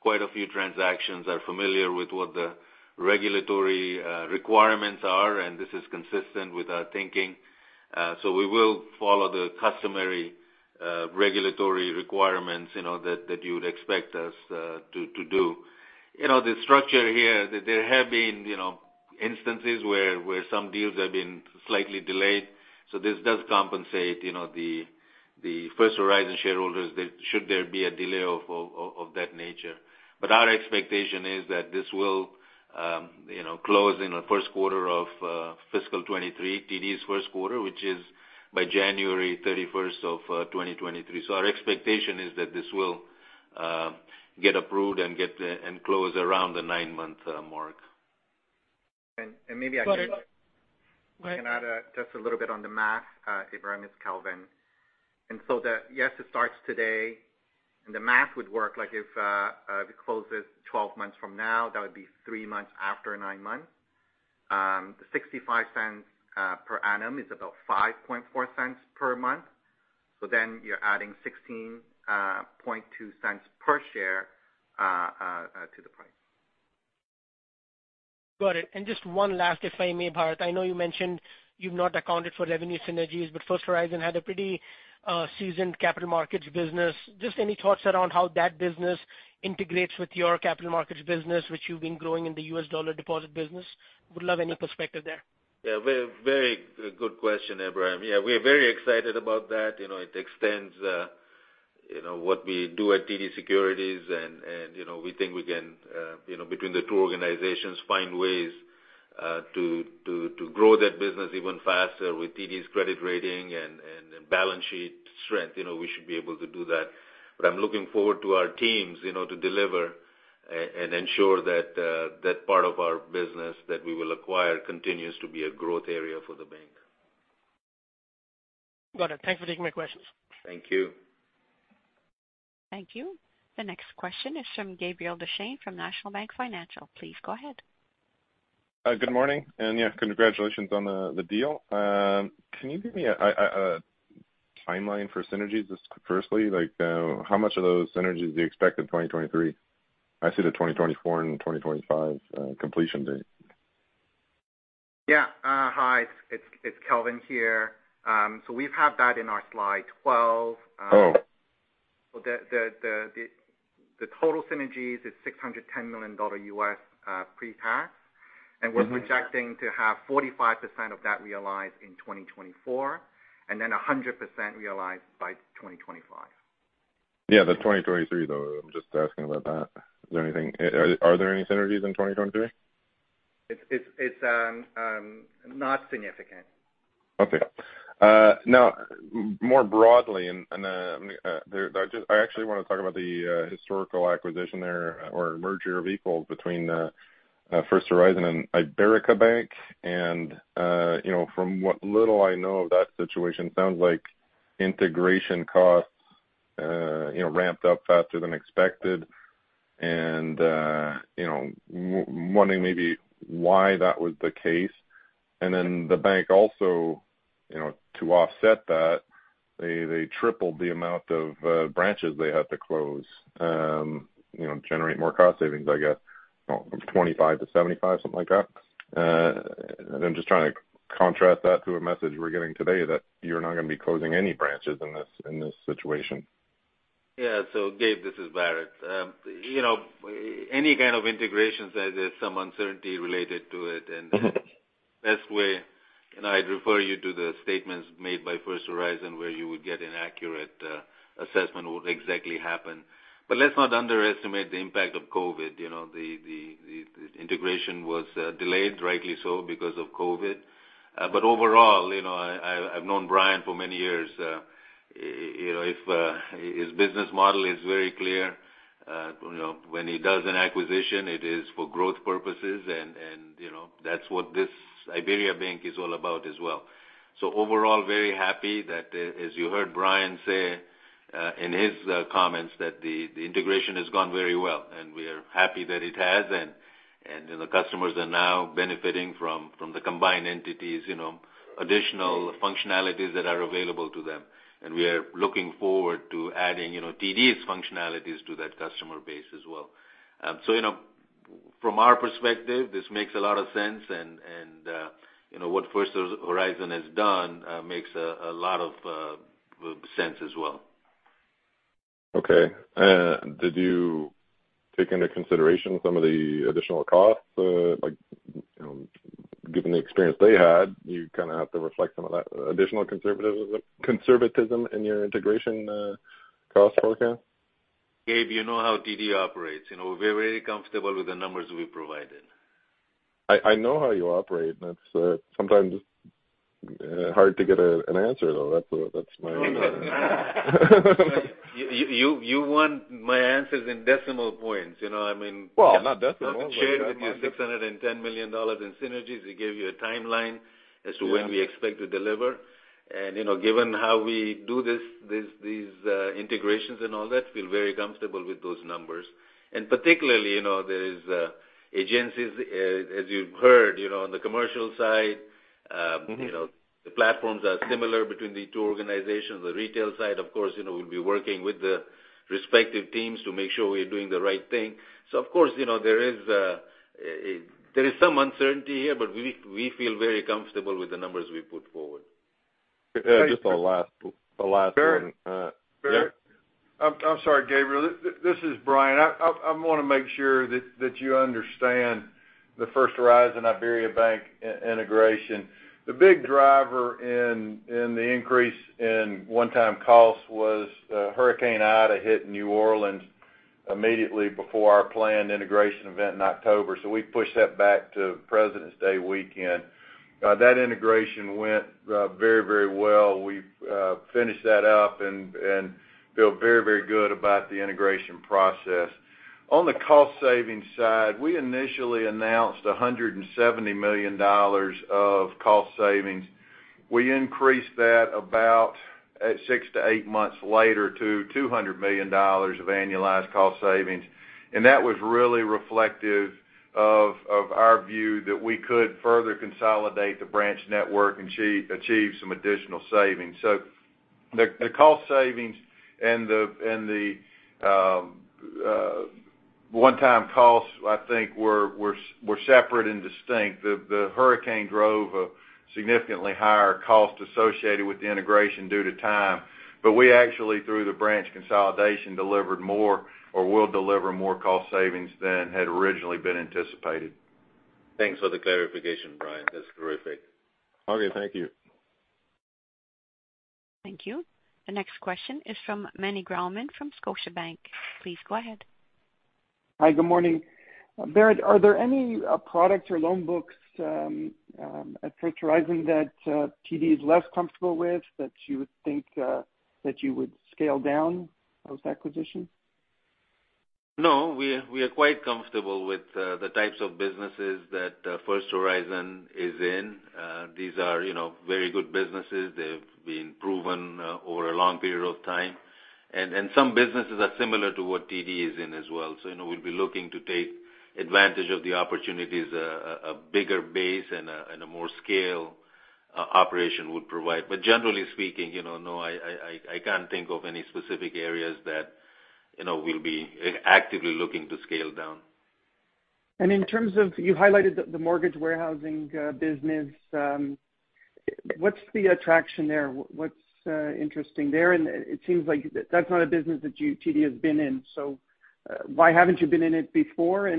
Speaker 3: quite a few transactions, are familiar with what the regulatory requirements are, and this is consistent with our thinking. We will follow the customary regulatory requirements, you know, that you would expect us to do. You know, the structure here, there have been, you know, instances where some deals have been slightly delayed, so this does compensate, you know, the First Horizon shareholders that should there be a delay of that nature. Our expectation is that this will, you know, close in the first quarter of fiscal 2023, TD's first quarter, which is by January 31st of 2023. Our expectation is that this will get approved and close around the 9-month mark.
Speaker 6: Maybe I can
Speaker 8: Bharat-
Speaker 6: I can add just a little bit on the math, Ebrahim, it's Kelvin. Yes, it starts today, and the math would work, like if it closes 12 months from now, that would be 3 months after 9 months. The $0.65 per annum is about $0.054 per month. So then you're adding $0.162 per share to the price.
Speaker 8: Got it. Just one last, if I may, Bharat. I know you mentioned you've not accounted for revenue synergies, but First Horizon had a pretty seasoned capital markets business. Just any thoughts around how that business integrates with your capital markets business, which you've been growing in the U.S. dollar deposit business? Would love any perspective there.
Speaker 3: Yeah, very, very good question, Ebrahim. Yeah, we are very excited about that. You know, it extends, you know, what we do at TD Securities and, you know, we think we can, you know, between the two organizations, find ways to grow that business even faster with TD's credit rating and balance sheet strength. You know, we should be able to do that. I'm looking forward to our teams, you know, to deliver and ensure that that part of our business that we will acquire continues to be a growth area for the bank.
Speaker 8: Got it. Thanks for taking my questions.
Speaker 3: Thank you.
Speaker 1: Thank you. The next question is from Gabriel Dechaine from National Bank Financial. Please go ahead.
Speaker 9: Good morning, and yeah, congratulations on the deal. Can you give me a timeline for synergies just firstly? Like, how much of those synergies do you expect in 2023? I see the 2024 and the 2025 completion date.
Speaker 6: Yeah. Hi, it's Kelvin here. We have that in our slide 12.
Speaker 9: Oh.
Speaker 6: The total synergies is $610 million U.S., pre-tax.
Speaker 9: Mm-hmm.
Speaker 6: We're projecting to have 45% of that realized in 2024, and then 100% realized by 2025.
Speaker 9: Yeah, the 2023, though, I'm just asking about that. Is there anything? Are there any synergies in 2023?
Speaker 6: It's not significant.
Speaker 9: Okay. Now more broadly, I actually wanna talk about the historical acquisition there or merger of equals between First Horizon and IBERIABANK. You know, from what little I know of that situation, sounds like integration costs you know ramped up faster than expected. You know, I'm wondering maybe why that was the case. Then the bank also you know to offset that they tripled the amount of branches they had to close you know generate more cost savings I guess. From 25 to 75, something like that. I'm just trying to contrast that to a message we're getting today that you're not gonna be closing any branches in this situation.
Speaker 3: Yeah. Gabriel Dechaine, this is Bharat Masrani. You know, any kind of integrations as there's some uncertainty related to it.
Speaker 9: Mm-hmm.
Speaker 3: Best way, and I'd refer you to the statements made by First Horizon, where you would get an accurate assessment of what exactly happened. Let's not underestimate the impact of COVID. You know, the integration was delayed, rightly so because of COVID. Overall, you know, I've known Bryan for many years. You know, if his business model is very clear, you know, when he does an acquisition, it is for growth purposes and, you know, that's what this IBERIABANK is all about as well. Overall, very happy that, as you heard Bryan say, in his comments, that the integration has gone very well, and we are happy that it has, and the customers are now benefiting from the combined entities, you know, additional functionalities that are available to them. We are looking forward to adding, you know, TD's functionalities to that customer base as well. You know, from our perspective, this makes a lot of sense and you know, what First Horizon has done makes a lot of sense as well.
Speaker 9: Okay. Did you take into consideration some of the additional costs, like, you know, given the experience they had, you kind of have to reflect some of that additional conservatism in your integration cost forecast?
Speaker 3: Gabe, you know how TD operates. You know, we're very comfortable with the numbers we provided.
Speaker 9: I know how you operate and that's sometimes hard to get an answer, though. That's my
Speaker 3: You want my answers in decimal points, you know what I mean?
Speaker 9: Well, not decimals, but.
Speaker 3: Shared with you $610 million in synergies. We gave you a timeline as to when we expect to deliver. You know, given how we do these integrations and all that, feel very comfortable with those numbers. Particularly, you know, there is agencies as you've heard on the commercial side.
Speaker 9: Mm-hmm
Speaker 3: You know, the platforms are similar between the two organizations. The retail side, of course, you know, we'll be working with the respective teams to make sure we're doing the right thing. Of course, you know, there is some uncertainty here, but we feel very comfortable with the numbers we put forward.
Speaker 9: Yeah, just a last one.
Speaker 4: Bharat. Yeah? Bharat. I'm sorry, Gabriel. This is Bryan. I wanna make sure that you understand the First Horizon, IBERIABANK integration. The big driver in the increase in one-time costs was Hurricane Ida hit New Orleans immediately before our planned integration event in October, so we pushed that back to Presidents' Day weekend. That integration went very well. We've finished that up and feel very good about the integration process. On the cost savings side, we initially announced $170 million of cost savings. We increased that about 6-8 months later to $200 million of annualized cost savings. That was really reflective of our view that we could further consolidate the branch network and achieve some additional savings. The cost savings and the one-time costs, I think, were separate and distinct. The hurricane drove a significantly higher cost associated with the integration due to time. We actually, through the branch consolidation, delivered more or will deliver more cost savings than had originally been anticipated.
Speaker 3: Thanks for the clarification, Bryan. That's terrific.
Speaker 1: Thank you. The next question is from Meny Grauman from Scotiabank. Please go ahead.
Speaker 10: Hi, good morning. Bharat Masrani, are there any products or loan books at First Horizon that TD is less comfortable with that you would think you would scale down post acquisition?
Speaker 3: No, we are quite comfortable with the types of businesses that First Horizon is in. These are, you know, very good businesses. They've been proven over a long period of time. Some businesses are similar to what TD is in as well. You know, we'll be looking to take advantage of the opportunities a bigger base and a more scaled operation would provide. Generally speaking, you know, no, I can't think of any specific areas that, you know, we'll be actively looking to scale down.
Speaker 10: In terms of you highlighted the mortgage warehousing business, what's the attraction there? What's interesting there? It seems like that's not a business that you, TD has been in. Why haven't you been in it before?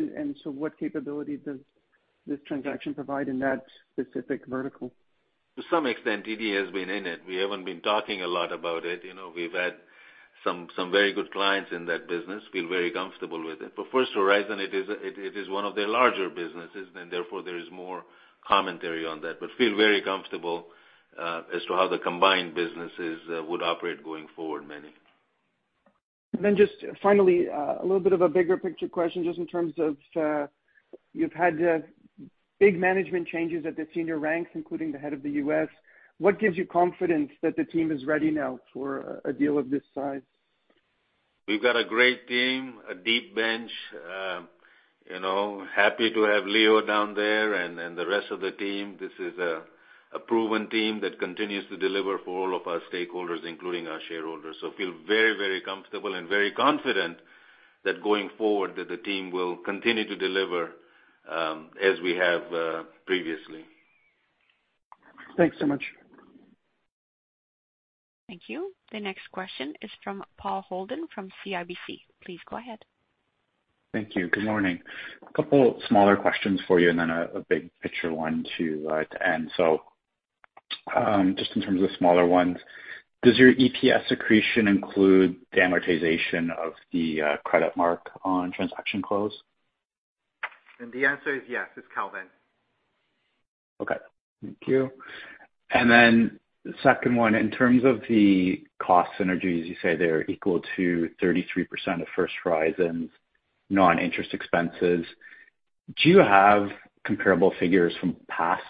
Speaker 10: What capability does this transaction provide in that specific vertical?
Speaker 3: To some extent, TD has been in it. We haven't been talking a lot about it. You know, we've had some very good clients in that business, feel very comfortable with it. But First Horizon, it is one of their larger businesses, and therefore there is more commentary on that. But feel very comfortable as to how the combined businesses would operate going forward, Meny.
Speaker 10: Just finally, a little bit of a bigger picture question, just in terms of, you've had big management changes at the senior ranks, including the head of the U.S. What gives you confidence that the team is ready now for a deal of this size?
Speaker 3: We've got a great team, a deep bench, happy to have Leo down there and the rest of the team. This is a proven team that continues to deliver for all of our stakeholders, including our shareholders. Feel very, very comfortable and very confident that going forward that the team will continue to deliver, as we have, previously.
Speaker 10: Thanks so much.
Speaker 1: Thank you. The next question is from Paul Holden from CIBC. Please go ahead.
Speaker 11: Thank you. Good morning. A couple smaller questions for you and then a big picture one to end. Just in terms of the smaller ones, does your EPS accretion include the amortization of the credit mark on transaction close?
Speaker 6: The answer is yes. It's Kelvin.
Speaker 11: Okay, thank you. The second one, in terms of the cost synergies, you say they're equal to 33% of First Horizon's non-interest expenses. Do you have comparable figures from past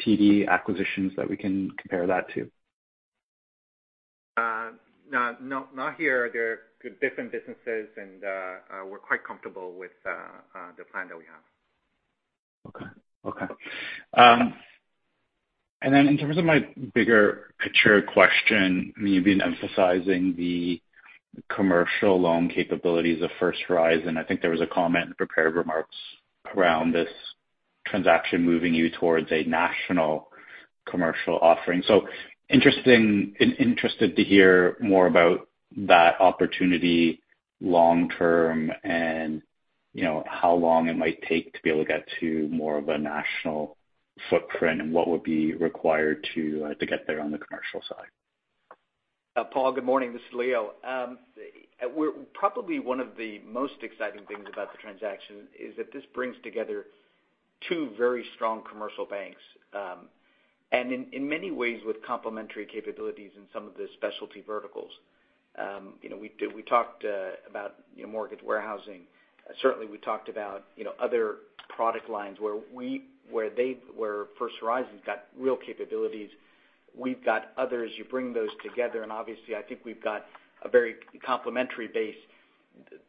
Speaker 11: TD acquisitions that we can compare that to?
Speaker 6: Not here. They're different businesses, and we're quite comfortable with the plan that we have.
Speaker 11: In terms of my bigger picture question, you've been emphasizing the commercial loan capabilities of First Horizon. I think there was a comment in the prepared remarks around this transaction moving you towards a national commercial offering. Interested to hear more about that opportunity long term and, you know, how long it might take to be able to get to more of a national footprint and what would be required to get there on the commercial side.
Speaker 5: Paul, good morning. This is Leo. Probably one of the most exciting things about the transaction is that this brings together two very strong commercial banks, and in many ways, with complementary capabilities in some of the specialty verticals. You know, we talked about, you know, mortgage warehousing. Certainly we talked about, you know, other product lines where First Horizon's got real capabilities. We've got others. You bring those together, and obviously, I think we've got a very complementary base.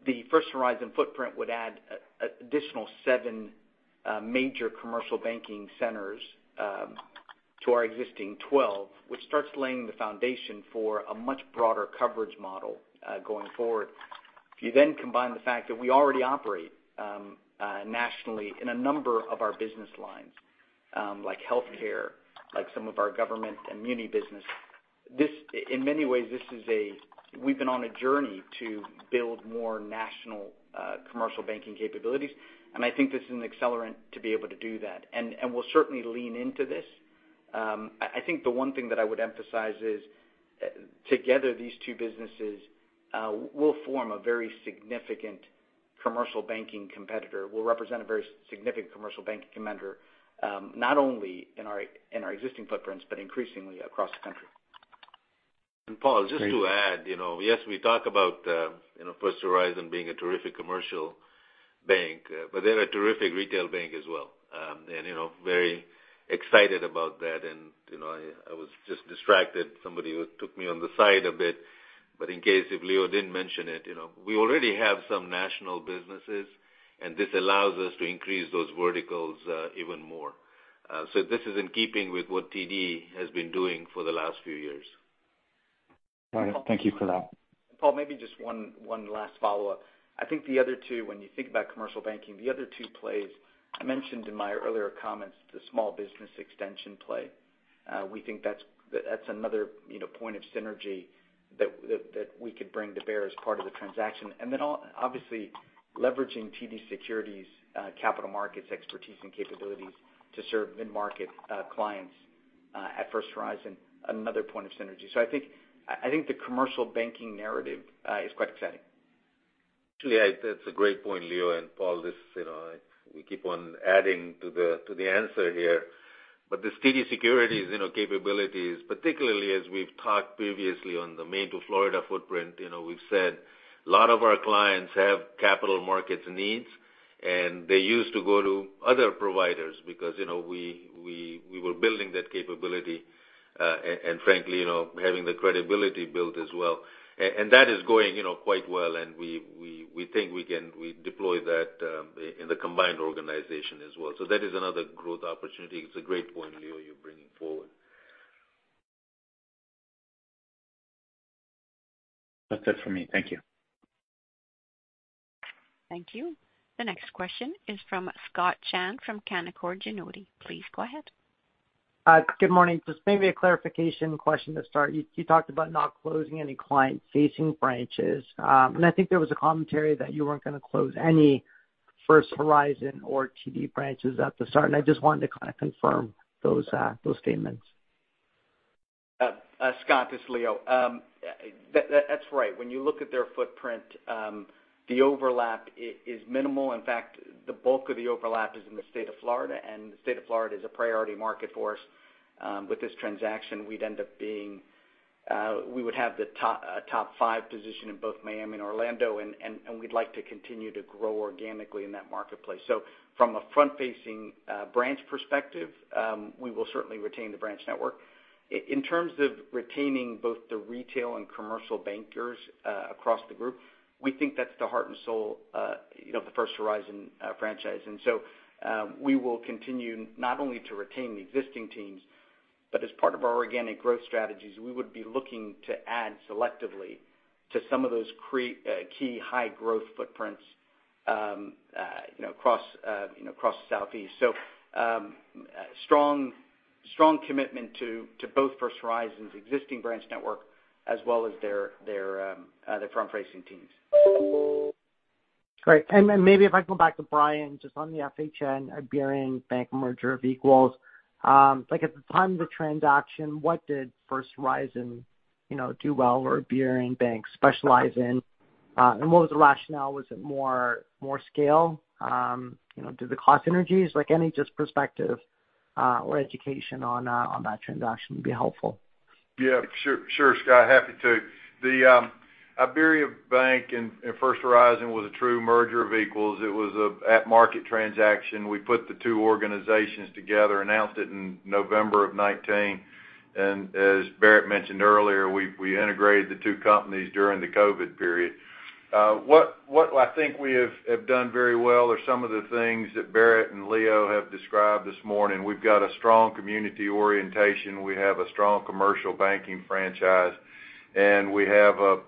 Speaker 5: The First Horizon footprint would add additional 7 major commercial banking centers to our existing 12, which starts laying the foundation for a much broader coverage model going forward. If you then combine the fact that we already operate nationally in a number of our business lines, like healthcare, like some of our government and muni business. This in many ways is a journey to build more national commercial banking capabilities, and I think this is an accelerant to be able to do that. We'll certainly lean into this. I think the one thing that I would emphasize is together, these two businesses will form a very significant commercial banking competitor, will represent a very significant commercial banking competitor, not only in our existing footprints, but increasingly across the country.
Speaker 3: Paul, just to add, you know, yes, we talk about, you know, First Horizon being a terrific commercial bank, but they're a terrific retail bank as well. You know, I was just distracted. Somebody took me on the side a bit. In case if Leo didn't mention it, you know, we already have some national businesses, and this allows us to increase those verticals, even more. This is in keeping with what TD has been doing for the last few years.
Speaker 11: All right. Thank you for that.
Speaker 5: Paul, maybe just one last follow-up. I think the other two, when you think about commercial banking, the other two plays, I mentioned in my earlier comments, the small business extension play. We think that's another point of synergy that we could bring to bear as part of the transaction. Obviously leveraging TD Securities capital markets expertise and capabilities to serve mid-market clients at First Horizon, another point of synergy. I think the commercial banking narrative is quite exciting.
Speaker 3: Actually, that's a great point, Leo and Paul. This, you know, we keep on adding to the answer here. The TD Securities, you know, capabilities, particularly as we've talked previously on the Maine to Florida footprint, you know, we've said a lot of our clients have capital markets needs, and they used to go to other providers because, you know, we were building that capability, and frankly, you know, having the credibility built as well. And that is going, you know, quite well, and we think we can deploy that in the combined organization as well. That is another growth opportunity. It's a great point, Leo, you're bringing forward.
Speaker 11: That's it for me. Thank you.
Speaker 1: Thank you. The next question is from Scott Chan from Canaccord Genuity. Please go ahead.
Speaker 12: Good morning. Just maybe a clarification question to start. You talked about not closing any client-facing branches. I think there was a commentary that you weren't gonna close any First Horizon or TD branches at the start. I just wanted to kind of confirm those statements.
Speaker 5: Scott, this is Leo. That's right. When you look at their footprint, the overlap is minimal. In fact, the bulk of the overlap is in the state of Florida, and the state of Florida is a priority market for us. With this transaction, we'd end up being, we would have the top five position in both Miami and Orlando, and we'd like to continue to grow organically in that marketplace. From a front-facing branch perspective, we will certainly retain the branch network. In terms of retaining both the retail and commercial bankers across the group, we think that's the heart and soul, you know, of the First Horizon franchise. We will continue not only to retain the existing teams, but as part of our organic growth strategies, we would be looking to add selectively to some of those key high growth footprints, you know, across, you know, across Southeast. Strong commitment to both First Horizon's existing branch network as well as their front-facing teams.
Speaker 12: Great. Maybe if I can go back to Bryan, just on the FHN, IBERIABANK merger of equals. Like at the time of the transaction, what did First Horizon, you know, do well or IBERIABANK specialize in, and what was the rationale? Was it more scale? You know, or the cost synergies, like any just perspective or education on that transaction would be helpful.
Speaker 4: Yeah, sure, Scott. Happy to. The IBERIABANK and First Horizon was a true merger of equals. It was an at-market transaction. We put the two organizations together, announced it in November 2019. As Bharat mentioned earlier, we integrated the two companies during the COVID period. What I think we have done very well are some of the things that Bharat and Leo have described this morning. We've got a strong community orientation. We have a strong commercial banking franchise, and we have a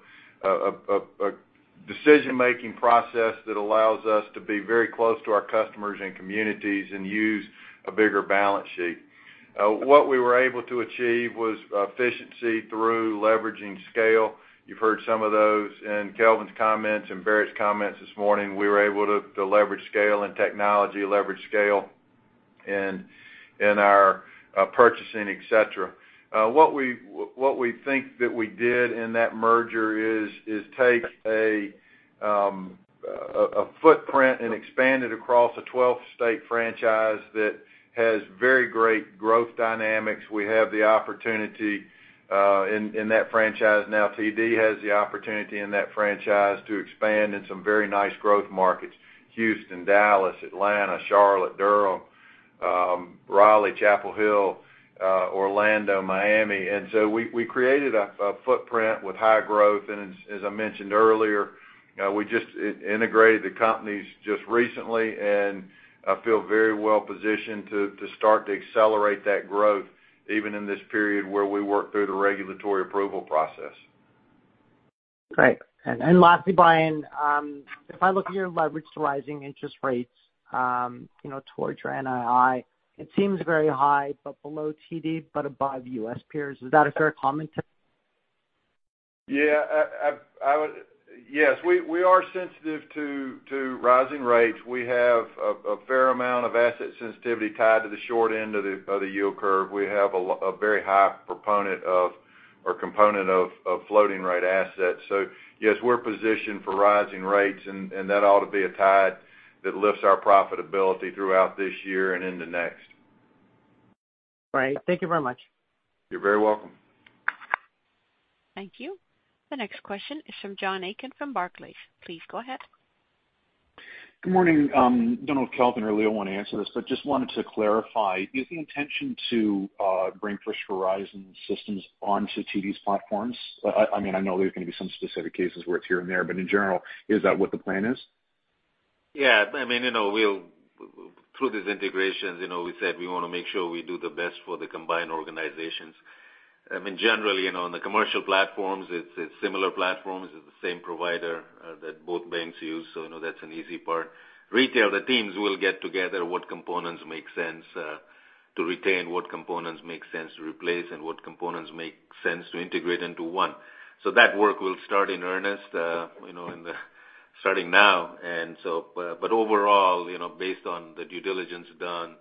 Speaker 4: decision-making process that allows us to be very close to our customers and communities and use a bigger balance sheet. What we were able to achieve was efficiency through leveraging scale. You've heard some of those in Kelvin's comments and Bharat's comments this morning. We were able to leverage scale and technology, leverage scale in our purchasing, et cetera. What we think that we did in that merger is take a footprint and expand it across a 12-state franchise that has very great growth dynamics. We have the opportunity in that franchise now. TD has the opportunity in that franchise to expand in some very nice growth markets, Houston, Dallas, Atlanta, Charlotte, Durham, Raleigh, Chapel Hill, Orlando, Miami. We created a footprint with high growth. As I mentioned earlier, we just integrated the companies just recently and feel very well positioned to start to accelerate that growth even in this period where we work through the regulatory approval process.
Speaker 12: Great. Lastly, Bryan, if I look at your leverage to rising interest rates, you know, towards your NII, it seems very high, but below TD, but above U.S. peers. Is that a fair comment?
Speaker 4: Yeah. Yes, we are sensitive to rising rates. We have a fair amount of asset sensitivity tied to the short end of the yield curve. We have a very high component of floating rate assets. So yes, we're positioned for rising rates, and that ought to be a tide that lifts our profitability throughout this year and into next.
Speaker 12: Great. Thank you very much.
Speaker 4: You're very welcome.
Speaker 1: Thank you. The next question is from John Aiken from Barclays. Please go ahead.
Speaker 13: Good morning. Don't know if Kelvin or Leo want to answer this, but just wanted to clarify, is the intention to bring First Horizon systems onto TD's platforms? I mean, I know there's going to be some specific cases where it's here and there, but in general, is that what the plan is?
Speaker 3: Yeah, I mean, you know, through these integrations, you know, we said we wanna make sure we do the best for the combined organizations. I mean, generally, you know, on the commercial platforms, it's similar platforms. It's the same provider that both banks use. So I know that's an easy part. Retail, the teams will get together what components make sense to retain, what components make sense to replace, and what components make sense to integrate into one. So that work will start in earnest, you know, it's starting now. Overall, you know, based on the due diligence done,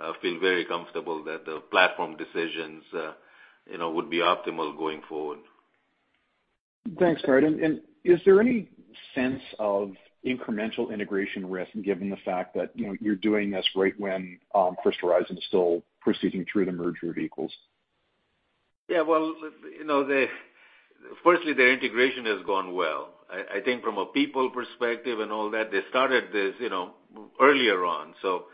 Speaker 3: we feel very comfortable that the platform decisions, you know, would be optimal going forward.
Speaker 13: Thanks, Bharat. Is there any sense of incremental integration risk given the fact that, you know, you're doing this right when First Horizon's still proceeding through the merger of equals?
Speaker 3: Yeah. Well, you know, firstly, their integration has gone well. I think from a people perspective and all that, they started this, you know, earlier on, so,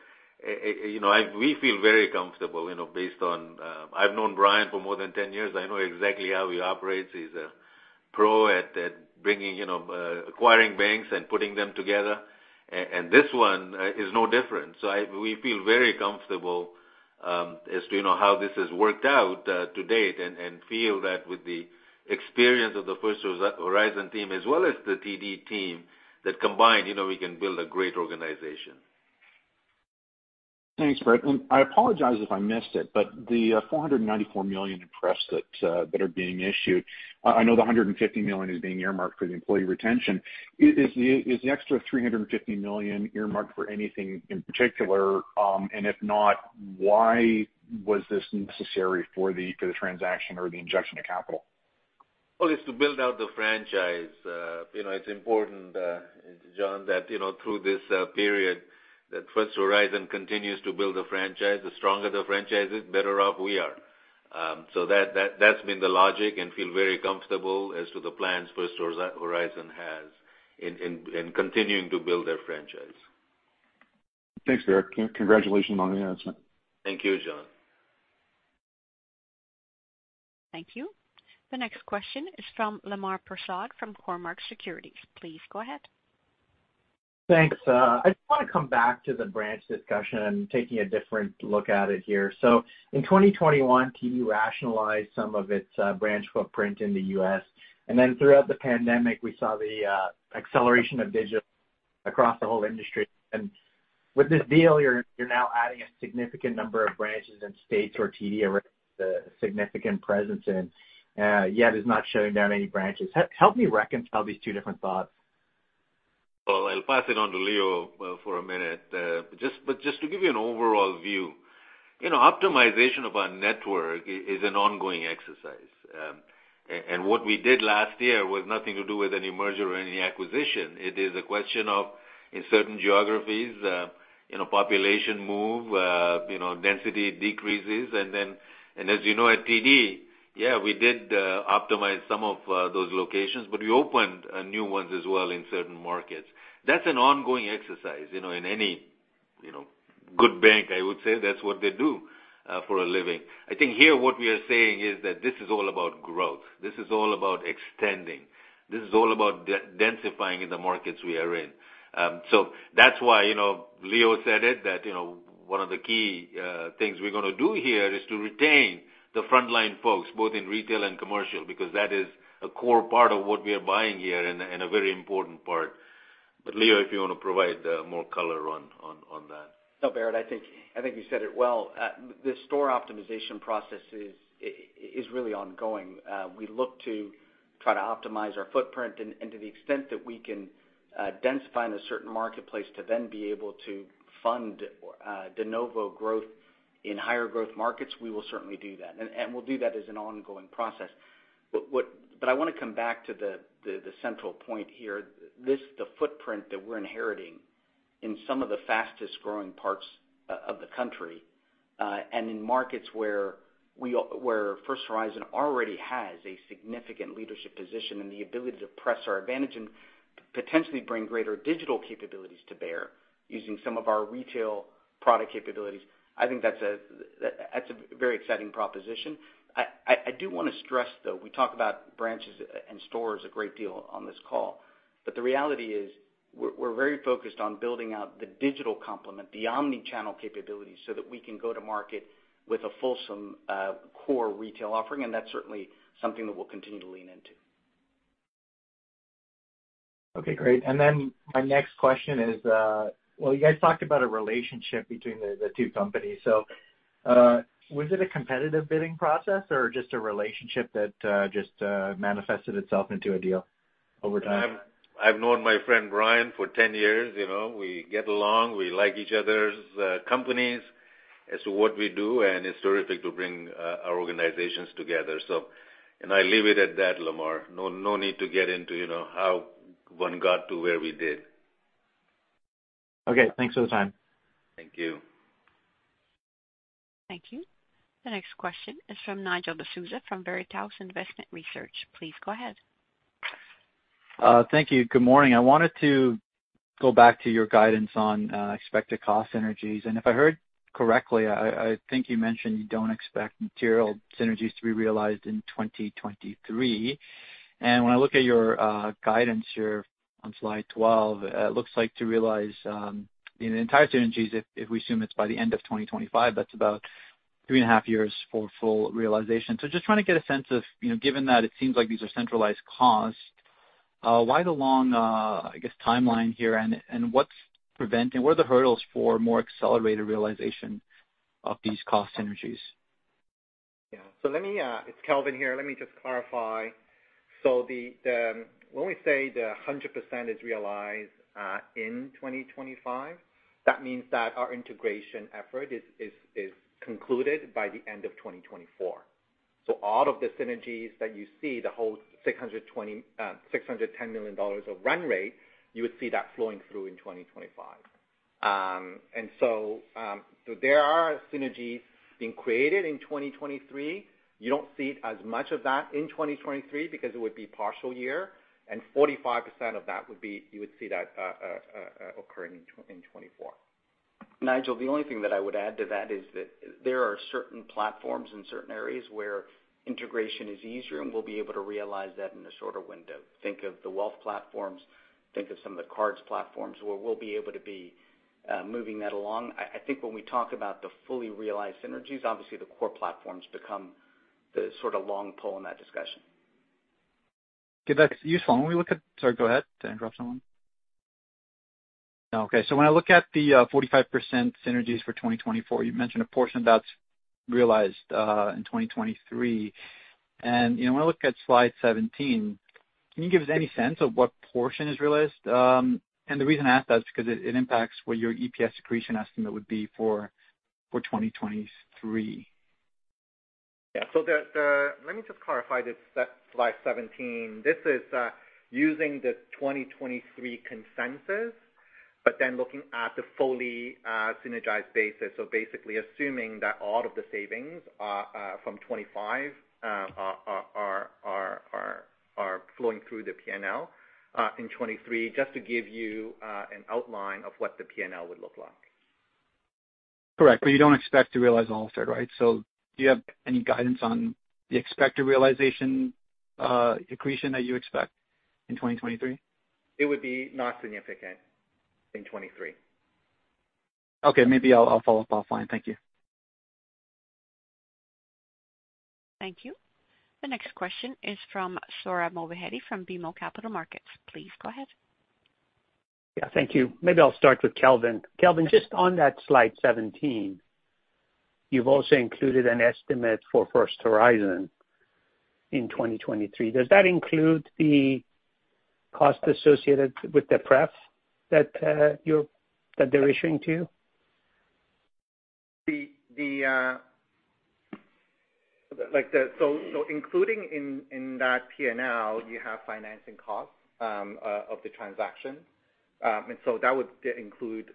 Speaker 3: you know, we feel very comfortable, you know, based on, I've known Bryan for more than 10 years. I know exactly how he operates. He's a pro at bringing, you know, acquiring banks and putting them together. And this one is no different. So we feel very comfortable, as to, you know, how this has worked out, to date, and feel that with the experience of the First Horizon team as well as the TD team, that combined, you know, we can build a great organization.
Speaker 13: I apologize if I missed it, but the $494 million preferred that are being issued, I know the $150 million is being earmarked for the employee retention. Is the extra $350 million earmarked for anything in particular? If not, why was this necessary for the transaction or the injection of capital?
Speaker 3: It's to build out the franchise. You know, it's important, John, that you know, through this period that First Horizon continues to build a franchise. The stronger the franchise is, better off we are. That's been the logic and feel very comfortable as to the plans First Horizon has in continuing to build their franchise.
Speaker 13: Thanks, Bharat. Congratulations on the announcement.
Speaker 3: Thank you, John.
Speaker 1: Thank you. The next question is from Lemar Persaud from Cormark Securities. Please go ahead.
Speaker 14: Thanks. I just wanna come back to the branch discussion, taking a different look at it here. In 2021, TD rationalized some of its branch footprint in the U.S. Then throughout the pandemic, we saw the acceleration of digital across the whole industry. With this deal, you're now adding a significant number of branches and states where TD already has a significant presence in, yet is not shutting down any branches. Help me reconcile these two different thoughts.
Speaker 3: Well, I'll pass it on to Leo for a minute. Just to give you an overall view, you know, optimization of our network is an ongoing exercise. What we did last year was nothing to do with any merger or any acquisition. It is a question of, in certain geographies, you know, population move, you know, density decreases. As you know at TD, we did optimize some of those locations, but we opened new ones as well in certain markets. That's an ongoing exercise. You know, in any good bank, I would say that's what they do for a living. I think here what we are saying is that this is all about growth. This is all about extending. This is all about de-densifying the markets we are in. That's why, you know, Leo said it, that, you know, one of the key things we're gonna do here is to retain the frontline folks, both in retail and commercial, because that is a core part of what we are buying here and a very important part. But Leo, if you wanna provide more color on that.
Speaker 5: No, Bharat, I think you said it well. The store optimization process is really ongoing. We look to try to optimize our footprint and, to the extent that we can, densify in a certain marketplace to then be able to fund de novo growth in higher growth markets. We will certainly do that. We'll do that as an ongoing process. But I wanna come back to the central point here. This, the footprint that we're inheriting in some of the fastest-growing parts of the country and in markets where First Horizon already has a significant leadership position and the ability to press our advantage and potentially bring greater digital capabilities to bear using some of our retail product capabilities, I think that's a very exciting proposition. I do wanna stress, though, we talk about branches and stores a great deal on this call, but the reality is we're very focused on building out the digital complement, the omnichannel capabilities, so that we can go to market with a fulsome core retail offering, and that's certainly something that we'll continue to lean into.
Speaker 14: Okay, great. My next question is, well, you guys talked about a relationship between the two companies. Was it a competitive bidding process or just a relationship that manifested itself into a deal over time?
Speaker 3: I've known my friend Bryan for 10 years. You know, we get along. We like each other's companies as to what we do, and it's terrific to bring our organizations together. I leave it at that, Lamar. No need to get into, you know, how one got to where we did.
Speaker 14: Okay. Thanks for the time.
Speaker 3: Thank you.
Speaker 1: Thank you. The next question is from Nigel D'Souza from Veritas Investment Research. Please go ahead.
Speaker 15: Thank you. Good morning. I wanted to go back to your guidance on expected cost synergies. If I heard correctly, I think you mentioned you don't expect material synergies to be realized in 2023. When I look at your guidance here on slide 12, it looks like to realize the entire synergies if we assume it's by the end of 2025, that's about 3.5 years for full realization. Just trying to get a sense of, you know, given that it seems like these are centralized costs, why the long timeline here, and what are the hurdles for more accelerated realization of these cost synergies?
Speaker 6: Yeah. Let me, it's Kelvin here. Let me just clarify. When we say the 100% is realized in 2025, that means that our integration effort is concluded by the end of 2024. All of the synergies that you see, the whole $610 million of run rate, you would see that flowing through in 2025. There are synergies being created in 2023. You don't see as much of that in 2023 because it would be partial year, and 45% of that would be you would see that occurring in 2024.
Speaker 5: Nigel, the only thing that I would add to that is that there are certain platforms in certain areas where integration is easier, and we'll be able to realize that in a shorter window. Think of the wealth platforms, think of some of the cards platforms where we'll be able to be moving that along. I think when we talk about the fully realized synergies, obviously the core platforms become the sort of long pole in that discussion.
Speaker 15: Okay. That's useful. Sorry, go ahead. Did I interrupt someone? No. Okay. When I look at the 45% synergies for 2024, you mentioned a portion that's realized in 2023. You know, when I look at slide 17, can you give us any sense of what portion is realized? The reason I ask that is because it impacts what your EPS accretion estimate would be for 2023.
Speaker 6: Let me just clarify this, that slide 17. This is using the 2023 consensus, but then looking at the fully synergized basis. Basically assuming that all of the savings from 25 are flowing through the P&L in 2023, just to give you an outline of what the P&L would look like.
Speaker 15: Correct. You don't expect to realize all of it, right? Do you have any guidance on the expected realization, accretion that you expect in 2023?
Speaker 6: It would be not significant in 2023.
Speaker 15: Okay. Maybe I'll follow up offline. Thank you.
Speaker 1: Thank you. The next question is from Sohrab Movahedi from BMO Capital Markets. Please go ahead.
Speaker 16: Thank you. Maybe I'll start with Kelvin. Kelvin, just on that slide 17, you've also included an estimate for First Horizon in 2023. Does that include the cost associated with the pref that they're issuing to you?
Speaker 6: Including in that P&L, you have financing costs of the transaction. That would include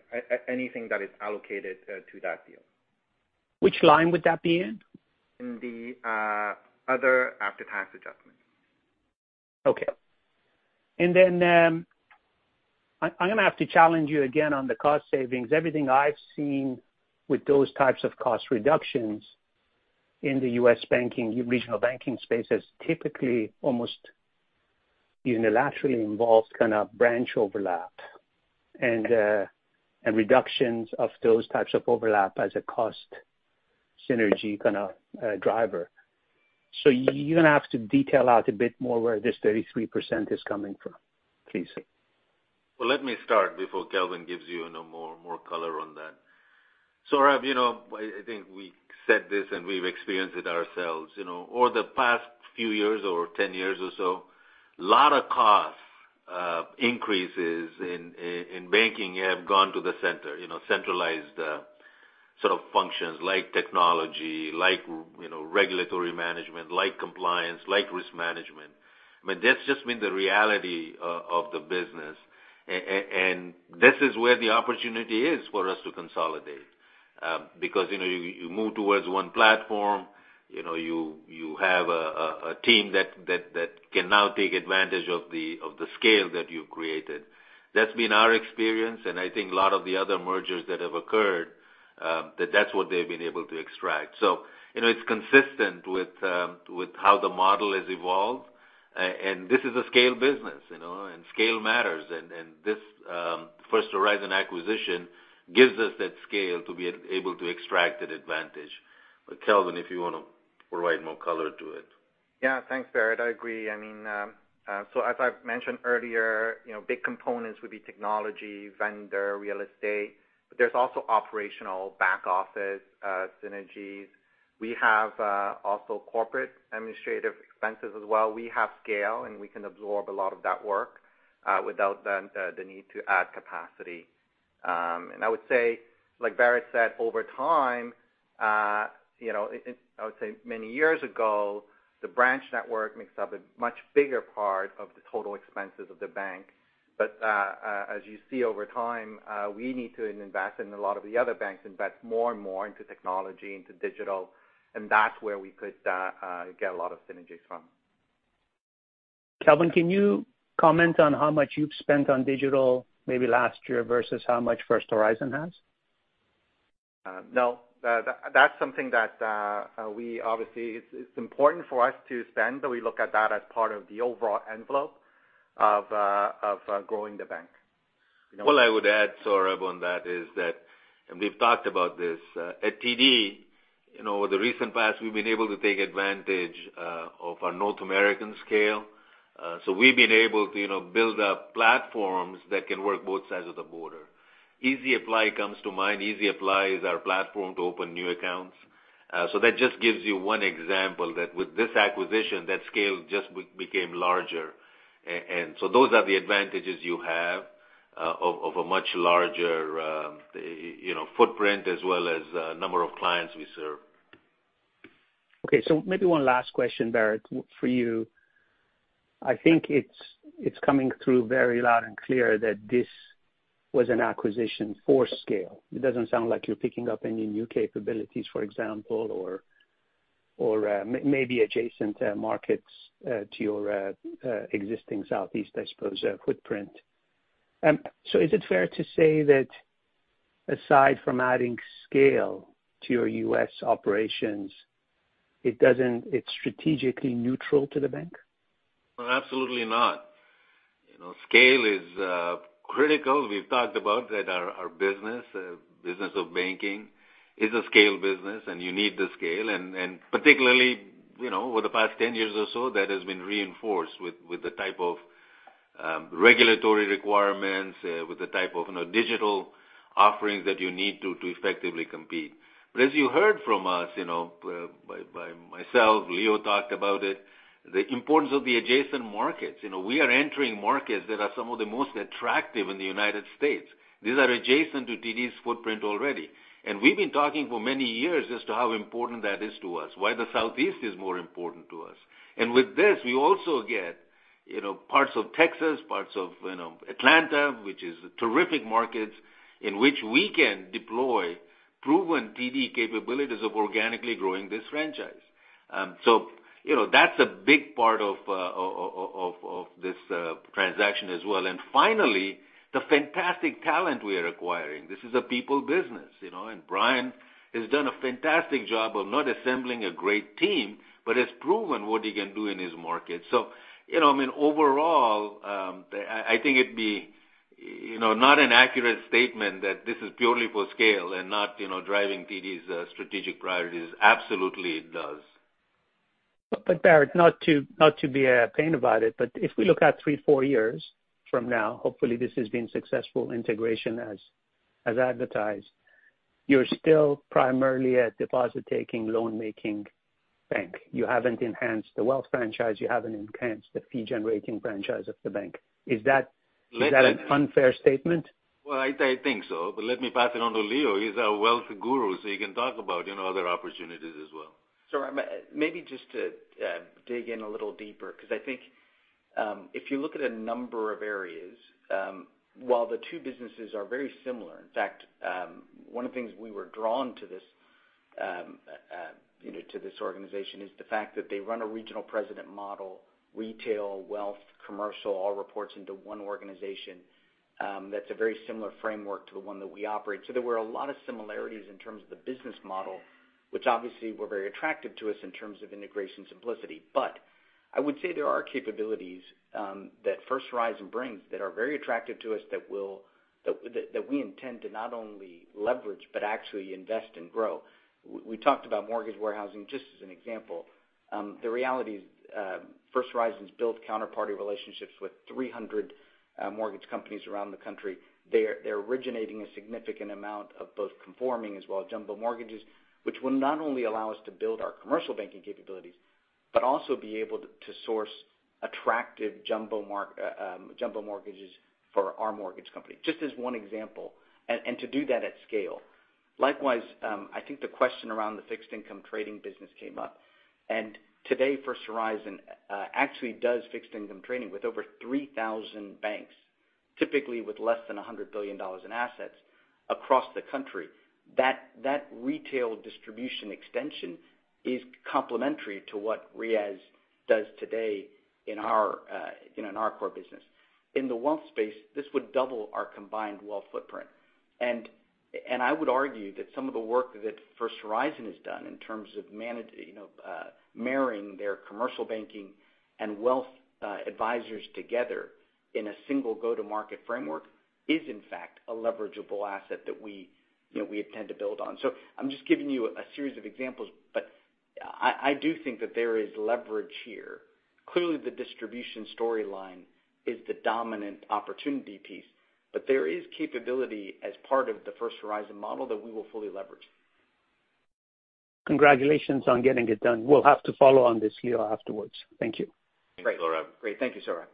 Speaker 6: anything that is allocated to that deal.
Speaker 16: Which line would that be in?
Speaker 6: In the other after-tax adjustments.
Speaker 16: Okay. I'm gonna have to challenge you again on the cost savings. Everything I've seen with those types of cost reductions in the U.S. banking, regional banking space has typically almost unilaterally involved kind of branch overlap and reductions of those types of overlap as a cost synergy kind of driver. You're gonna have to detail out a bit more where this 33% is coming from, please.
Speaker 3: Well, let me start before Kelvin gives you know, more color on that. Sohrab, you know, I think we said this and we've experienced it ourselves, you know. Over the past few years or ten years or so, lot of cost increases in banking have gone to the center, you know, centralized sort of functions like technology, like, you know, regulatory management, like compliance, like risk management. I mean, that's just been the reality of the business. This is where the opportunity is for us to consolidate, because, you know, you move towards one platform, you know, you have a team that can now take advantage of the scale that you've created. That's been our experience, and I think a lot of the other mergers that have occurred, that that's what they've been able to extract. You know, it's consistent with how the model has evolved. This is a scale business, you know, and scale matters. This First Horizon acquisition gives us that scale to be able to extract that advantage. Kelvin, if you wanna provide more color to it.
Speaker 6: Yeah. Thanks, Bharat. I agree. I mean, so as I've mentioned earlier, you know, big components would be technology, vendor, real estate, but there's also operational back office synergies. We have also corporate administrative expenses as well. We have scale, and we can absorb a lot of that work without the need to add capacity. I would say, like Bharat said, over time, you know, I would say many years ago, the branch network makes up a much bigger part of the total expenses of the bank. As you see over time, we need to invest and a lot of the other banks invest more and more into technology, into digital, and that's where we could get a lot of synergies from.
Speaker 16: Kelvin, can you comment on how much you've spent on digital maybe last year versus how much First Horizon has?
Speaker 6: No. That's something that we obviously, it's important for us to spend, but we look at that as part of the overall envelope of growing the bank.
Speaker 3: What I would add, Sohrab, on that is that, and we've talked about this, at TD, you know, over the recent past, we've been able to take advantage of our North American scale. So we've been able to, you know, build up platforms that can work both sides of the border. Easy Apply comes to mind. Easy Apply is our platform to open new accounts. So that just gives you one example that with this acquisition, that scale just became larger. And so those are the advantages you have of a much larger, you know, footprint as well as number of clients we serve.
Speaker 16: Okay, maybe one last question, Bharat, for you. I think it's coming through very loud and clear that this was an acquisition for scale. It doesn't sound like you're picking up any new capabilities, for example, or maybe adjacent markets to your existing Southeast, I suppose, footprint. Is it fair to say that aside from adding scale to your U.S. operations, it doesn't, it's strategically neutral to the bank?
Speaker 3: Well, absolutely not. You know, scale is critical. We've talked about that our business of banking is a scale business, and you need the scale. Particularly, you know, over the past 10 years or so, that has been reinforced with the type of regulatory requirements, with the type of, you know, digital offerings that you need to effectively compete. But as you heard from us, you know, by myself, Leo talked about it, the importance of the adjacent markets. You know, we are entering markets that are some of the most attractive in the United States. These are adjacent to TD's footprint already. We've been talking for many years as to how important that is to us, why the Southeast is more important to us. With this, we also get, you know, parts of Texas, parts of Atlanta, which is terrific markets in which we can deploy proven TD capabilities of organically growing this franchise. That's a big part of this transaction as well. Finally, the fantastic talent we are acquiring. This is a people business, you know, and Bryan has done a fantastic job of not assembling a great team, but has proven what he can do in his market. You know, I mean, overall, I think it'd be not an accurate statement that this is purely for scale and not driving TD's strategic priorities. Absolutely, it does.
Speaker 16: Bharat, not to be a pain about it, but if we look at 3-4 years from now, hopefully this has been successful integration as advertised, you're still primarily a deposit-taking loan-making bank. You haven't enhanced the wealth franchise, you haven't enhanced the fee-generating franchise of the bank. Is that-
Speaker 3: Well, I think so, but let me pass it on to Leo. He's our wealth guru, so he can talk about, you know, other opportunities as well.
Speaker 5: Sohrab, maybe just to dig in a little deeper because I think, if you look at a number of areas, while the two businesses are very similar, in fact, one of the things we were drawn to this, you know, to this organization is the fact that they run a regional president model, retail, wealth, commercial, all reports into one organization. That's a very similar framework to the one that we operate. There were a lot of similarities in terms of the business model, which obviously were very attractive to us in terms of integration simplicity. I would say there are capabilities that First Horizon brings that are very attractive to us that we intend to not only leverage but actually invest and grow. We talked about mortgage warehousing, just as an example. The reality is, First Horizon's built counterparty relationships with 300 mortgage companies around the country. They're originating a significant amount of both conforming as well as jumbo mortgages, which will not only allow us to build our commercial banking capabilities, but also be able to source attractive jumbo mortgages for our mortgage company. Just as one example. To do that at scale. Likewise, I think the question around the fixed income trading business came up. Today, First Horizon actually does fixed income trading with over 3,000 banks, typically with less than $100 billion in assets across the country. That retail distribution extension is complementary to what Riaz does today in our core business. In the wealth space, this would double our combined wealth footprint. I would argue that some of the work that First Horizon has done in terms of marrying their commercial banking and wealth advisors together in a single go-to-market framework is, in fact, a leverageable asset that we, you know, we intend to build on. I'm just giving you a series of examples, but I do think that there is leverage here. Clearly, the distribution storyline is the dominant opportunity piece, but there is capability as part of the First Horizon model that we will fully leverage.
Speaker 16: Congratulations on getting it done. We'll have to follow on this, Leo, afterwards. Thank you.
Speaker 5: Great.
Speaker 3: Thanks, Sohrab.
Speaker 5: Great. Thank you, Sohrab.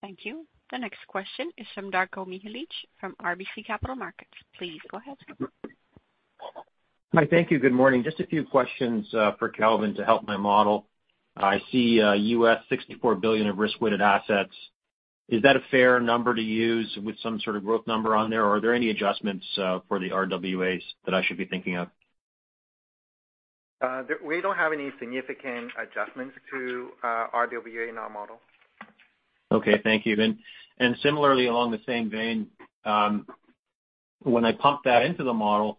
Speaker 1: Thank you. The next question is from Darko Mihelic from RBC Capital Markets. Please go ahead.
Speaker 17: Good morning. Just a few questions for Kelvin to help my model. I see $64 billion of risk-weighted assets. Is that a fair number to use with some sort of growth number on there, or are there any adjustments for the RWAs that I should be thinking of?
Speaker 6: We don't have any significant adjustments to RWA in our model.
Speaker 17: Okay. Thank you then. Similarly, along the same vein, when I pump that into the model,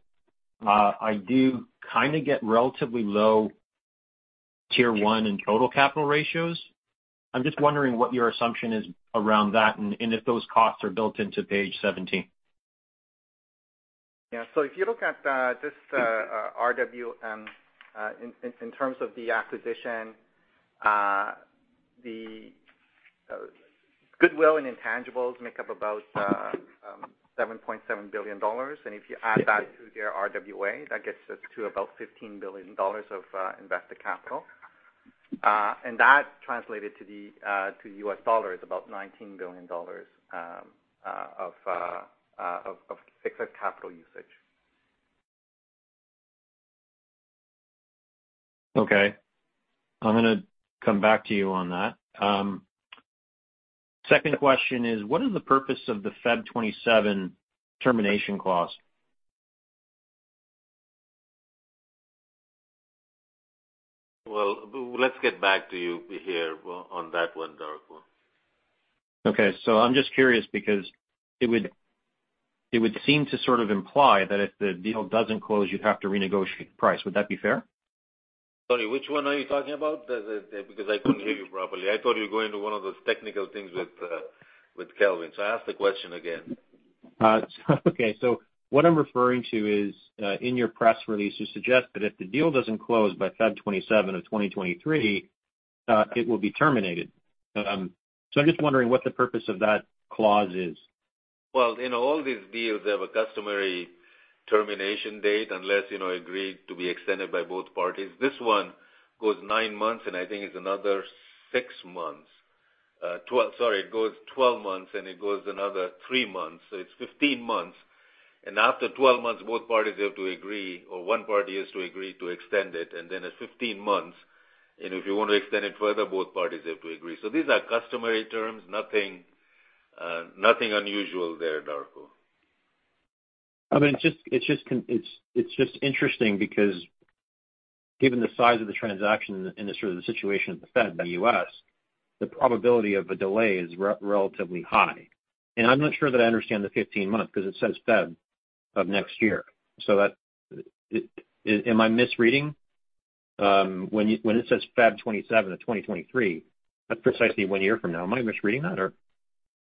Speaker 17: I do kinda get relatively low Tier 1 and total capital ratios. I'm just wondering what your assumption is around that and if those costs are built into page 17.
Speaker 6: Yeah. If you look at just RWA in terms of the acquisition, the goodwill and intangibles make up about $7.7 billion. If you add that to their RWA, that gets us to about $15 billion of invested capital. That translated to U.S. dollars about $19 billion of excess capital usage.
Speaker 17: I'm gonna come back to you on that. Second question is what is the purpose of the February 27 termination clause?
Speaker 3: Well, let's get back to you here on that one, Darko.
Speaker 17: Okay. I'm just curious because it would seem to sort of imply that if the deal doesn't close, you'd have to renegotiate the price. Would that be fair?
Speaker 3: Sorry, which one are you talking about? Because I couldn't hear you properly. I thought you were going to one of those technical things with Kelvin. Ask the question again.
Speaker 17: Okay. What I'm referring to is, in your press release, you suggest that if the deal doesn't close by February 27, 2023, it will be terminated. I'm just wondering what the purpose of that clause is.
Speaker 3: Well, in all these deals, they have a customary termination date, unless, you know, agreed to be extended by both parties. This one goes 9 months, and I think it's another 6 months. It goes 12 months, and it goes another 3 months, so it's 15 months. After 12 months, both parties have to agree, or one party has to agree to extend it, and then at 15 months, and if you want to extend it further, both parties have to agree. These are customary terms. Nothing unusual there, Darko.
Speaker 17: I mean, it's just interesting because given the size of the transaction and the sort of situation at the Fed in the U.S., the probability of a delay is relatively high. I'm not sure that I understand the 15 months because it says February of next year. Am I misreading? When it says February 27, 2023, that's precisely one year from now. Am I misreading that or?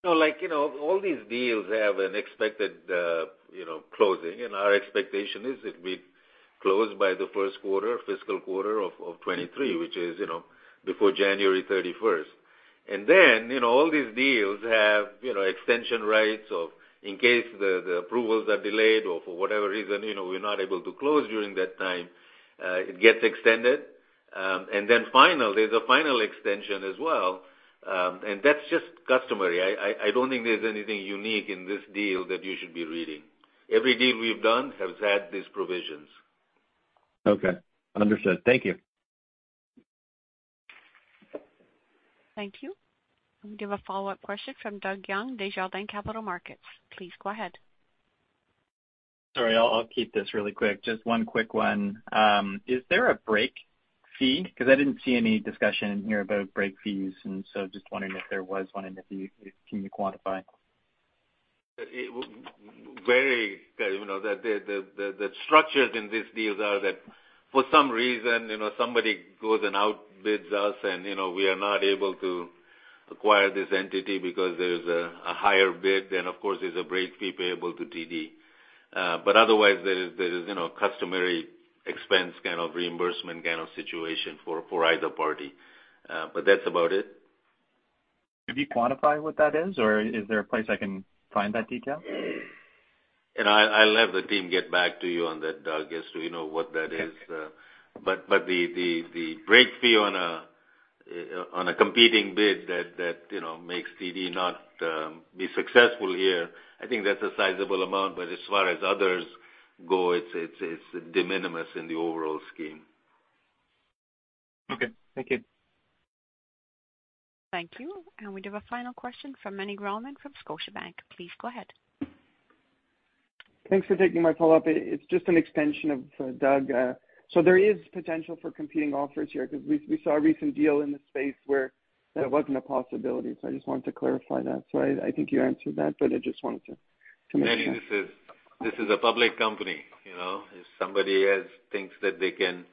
Speaker 3: No, like, you know, all these deals have an expected, you know, closing, and our expectation is it be closed by the first quarter, fiscal quarter of 2023, which is, you know, before January 31. You know, all these deals have, you know, extension rights or in case the approvals are delayed or for whatever reason, you know, we're not able to close during that time, it gets extended. There's a final extension as well, and that's just customary. I don't think there's anything unique in this deal that you should be reading. Every deal we've done has had these provisions.
Speaker 17: Okay. Understood. Thank you.
Speaker 1: Thank you. We have a follow-up question from Doug Young, Desjardins Capital Markets. Please go ahead.
Speaker 7: Sorry, I'll keep this really quick. Just one quick one. Is there a break fee? Because I didn't see any discussion in here about break fees. Just wondering if there was one and if you can quantify?
Speaker 3: It was very, you know, the structures in these deals are that for some reason, you know, somebody goes and outbids us and, you know, we are not able to acquire this entity because there is a higher bid, then of course there's a break fee payable to TD. Otherwise, there is, you know, a customary expense kind of reimbursement kind of situation for either party. That's about it.
Speaker 7: Could you quantify what that is, or is there a place I can find that detail?
Speaker 3: You know, I'll have the team get back to you on that, Doug, as to, you know, what that is.
Speaker 7: Okay.
Speaker 3: The break fee on a competing bid that you know makes TD not be successful here, I think that's a sizable amount. As far as others go, it's de minimis in the overall scheme.
Speaker 7: Okay. Thank you.
Speaker 1: Thank you. We have a final question from Meny Grauman from Scotiabank. Please go ahead.
Speaker 10: Thanks for taking my follow-up. It's just an extension of Doug. There is potential for competing offers here because we saw a recent deal in this space where that wasn't a possibility. I just wanted to clarify that. I think you answered that, but I just wanted to make sure.
Speaker 3: Meny, this is a public company. You know? If somebody else thinks that they can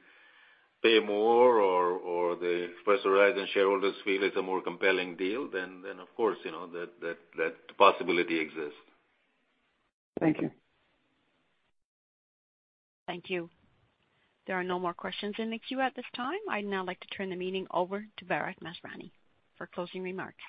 Speaker 3: pay more or the First Horizon shareholders feel it's a more compelling deal, then of course, you know, that possibility exists.
Speaker 10: Thank you.
Speaker 1: Thank you. There are no more questions in the queue at this time. I'd now like to turn the meeting over to Bharat Masrani for closing remarks.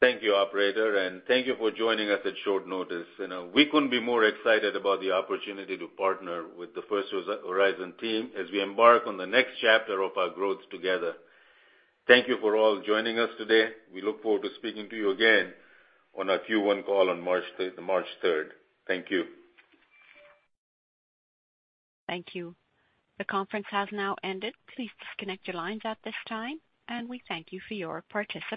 Speaker 3: Thank you, operator, and thank you for joining us at short notice. You know, we couldn't be more excited about the opportunity to partner with the First Horizon team as we embark on the next chapter of our growth together. Thank you for all joining us today. We look forward to speaking to you again on our Q1 call on March third. Thank you.
Speaker 1: Thank you. The conference has now ended. Please disconnect your lines at this time, and we thank you for your participation.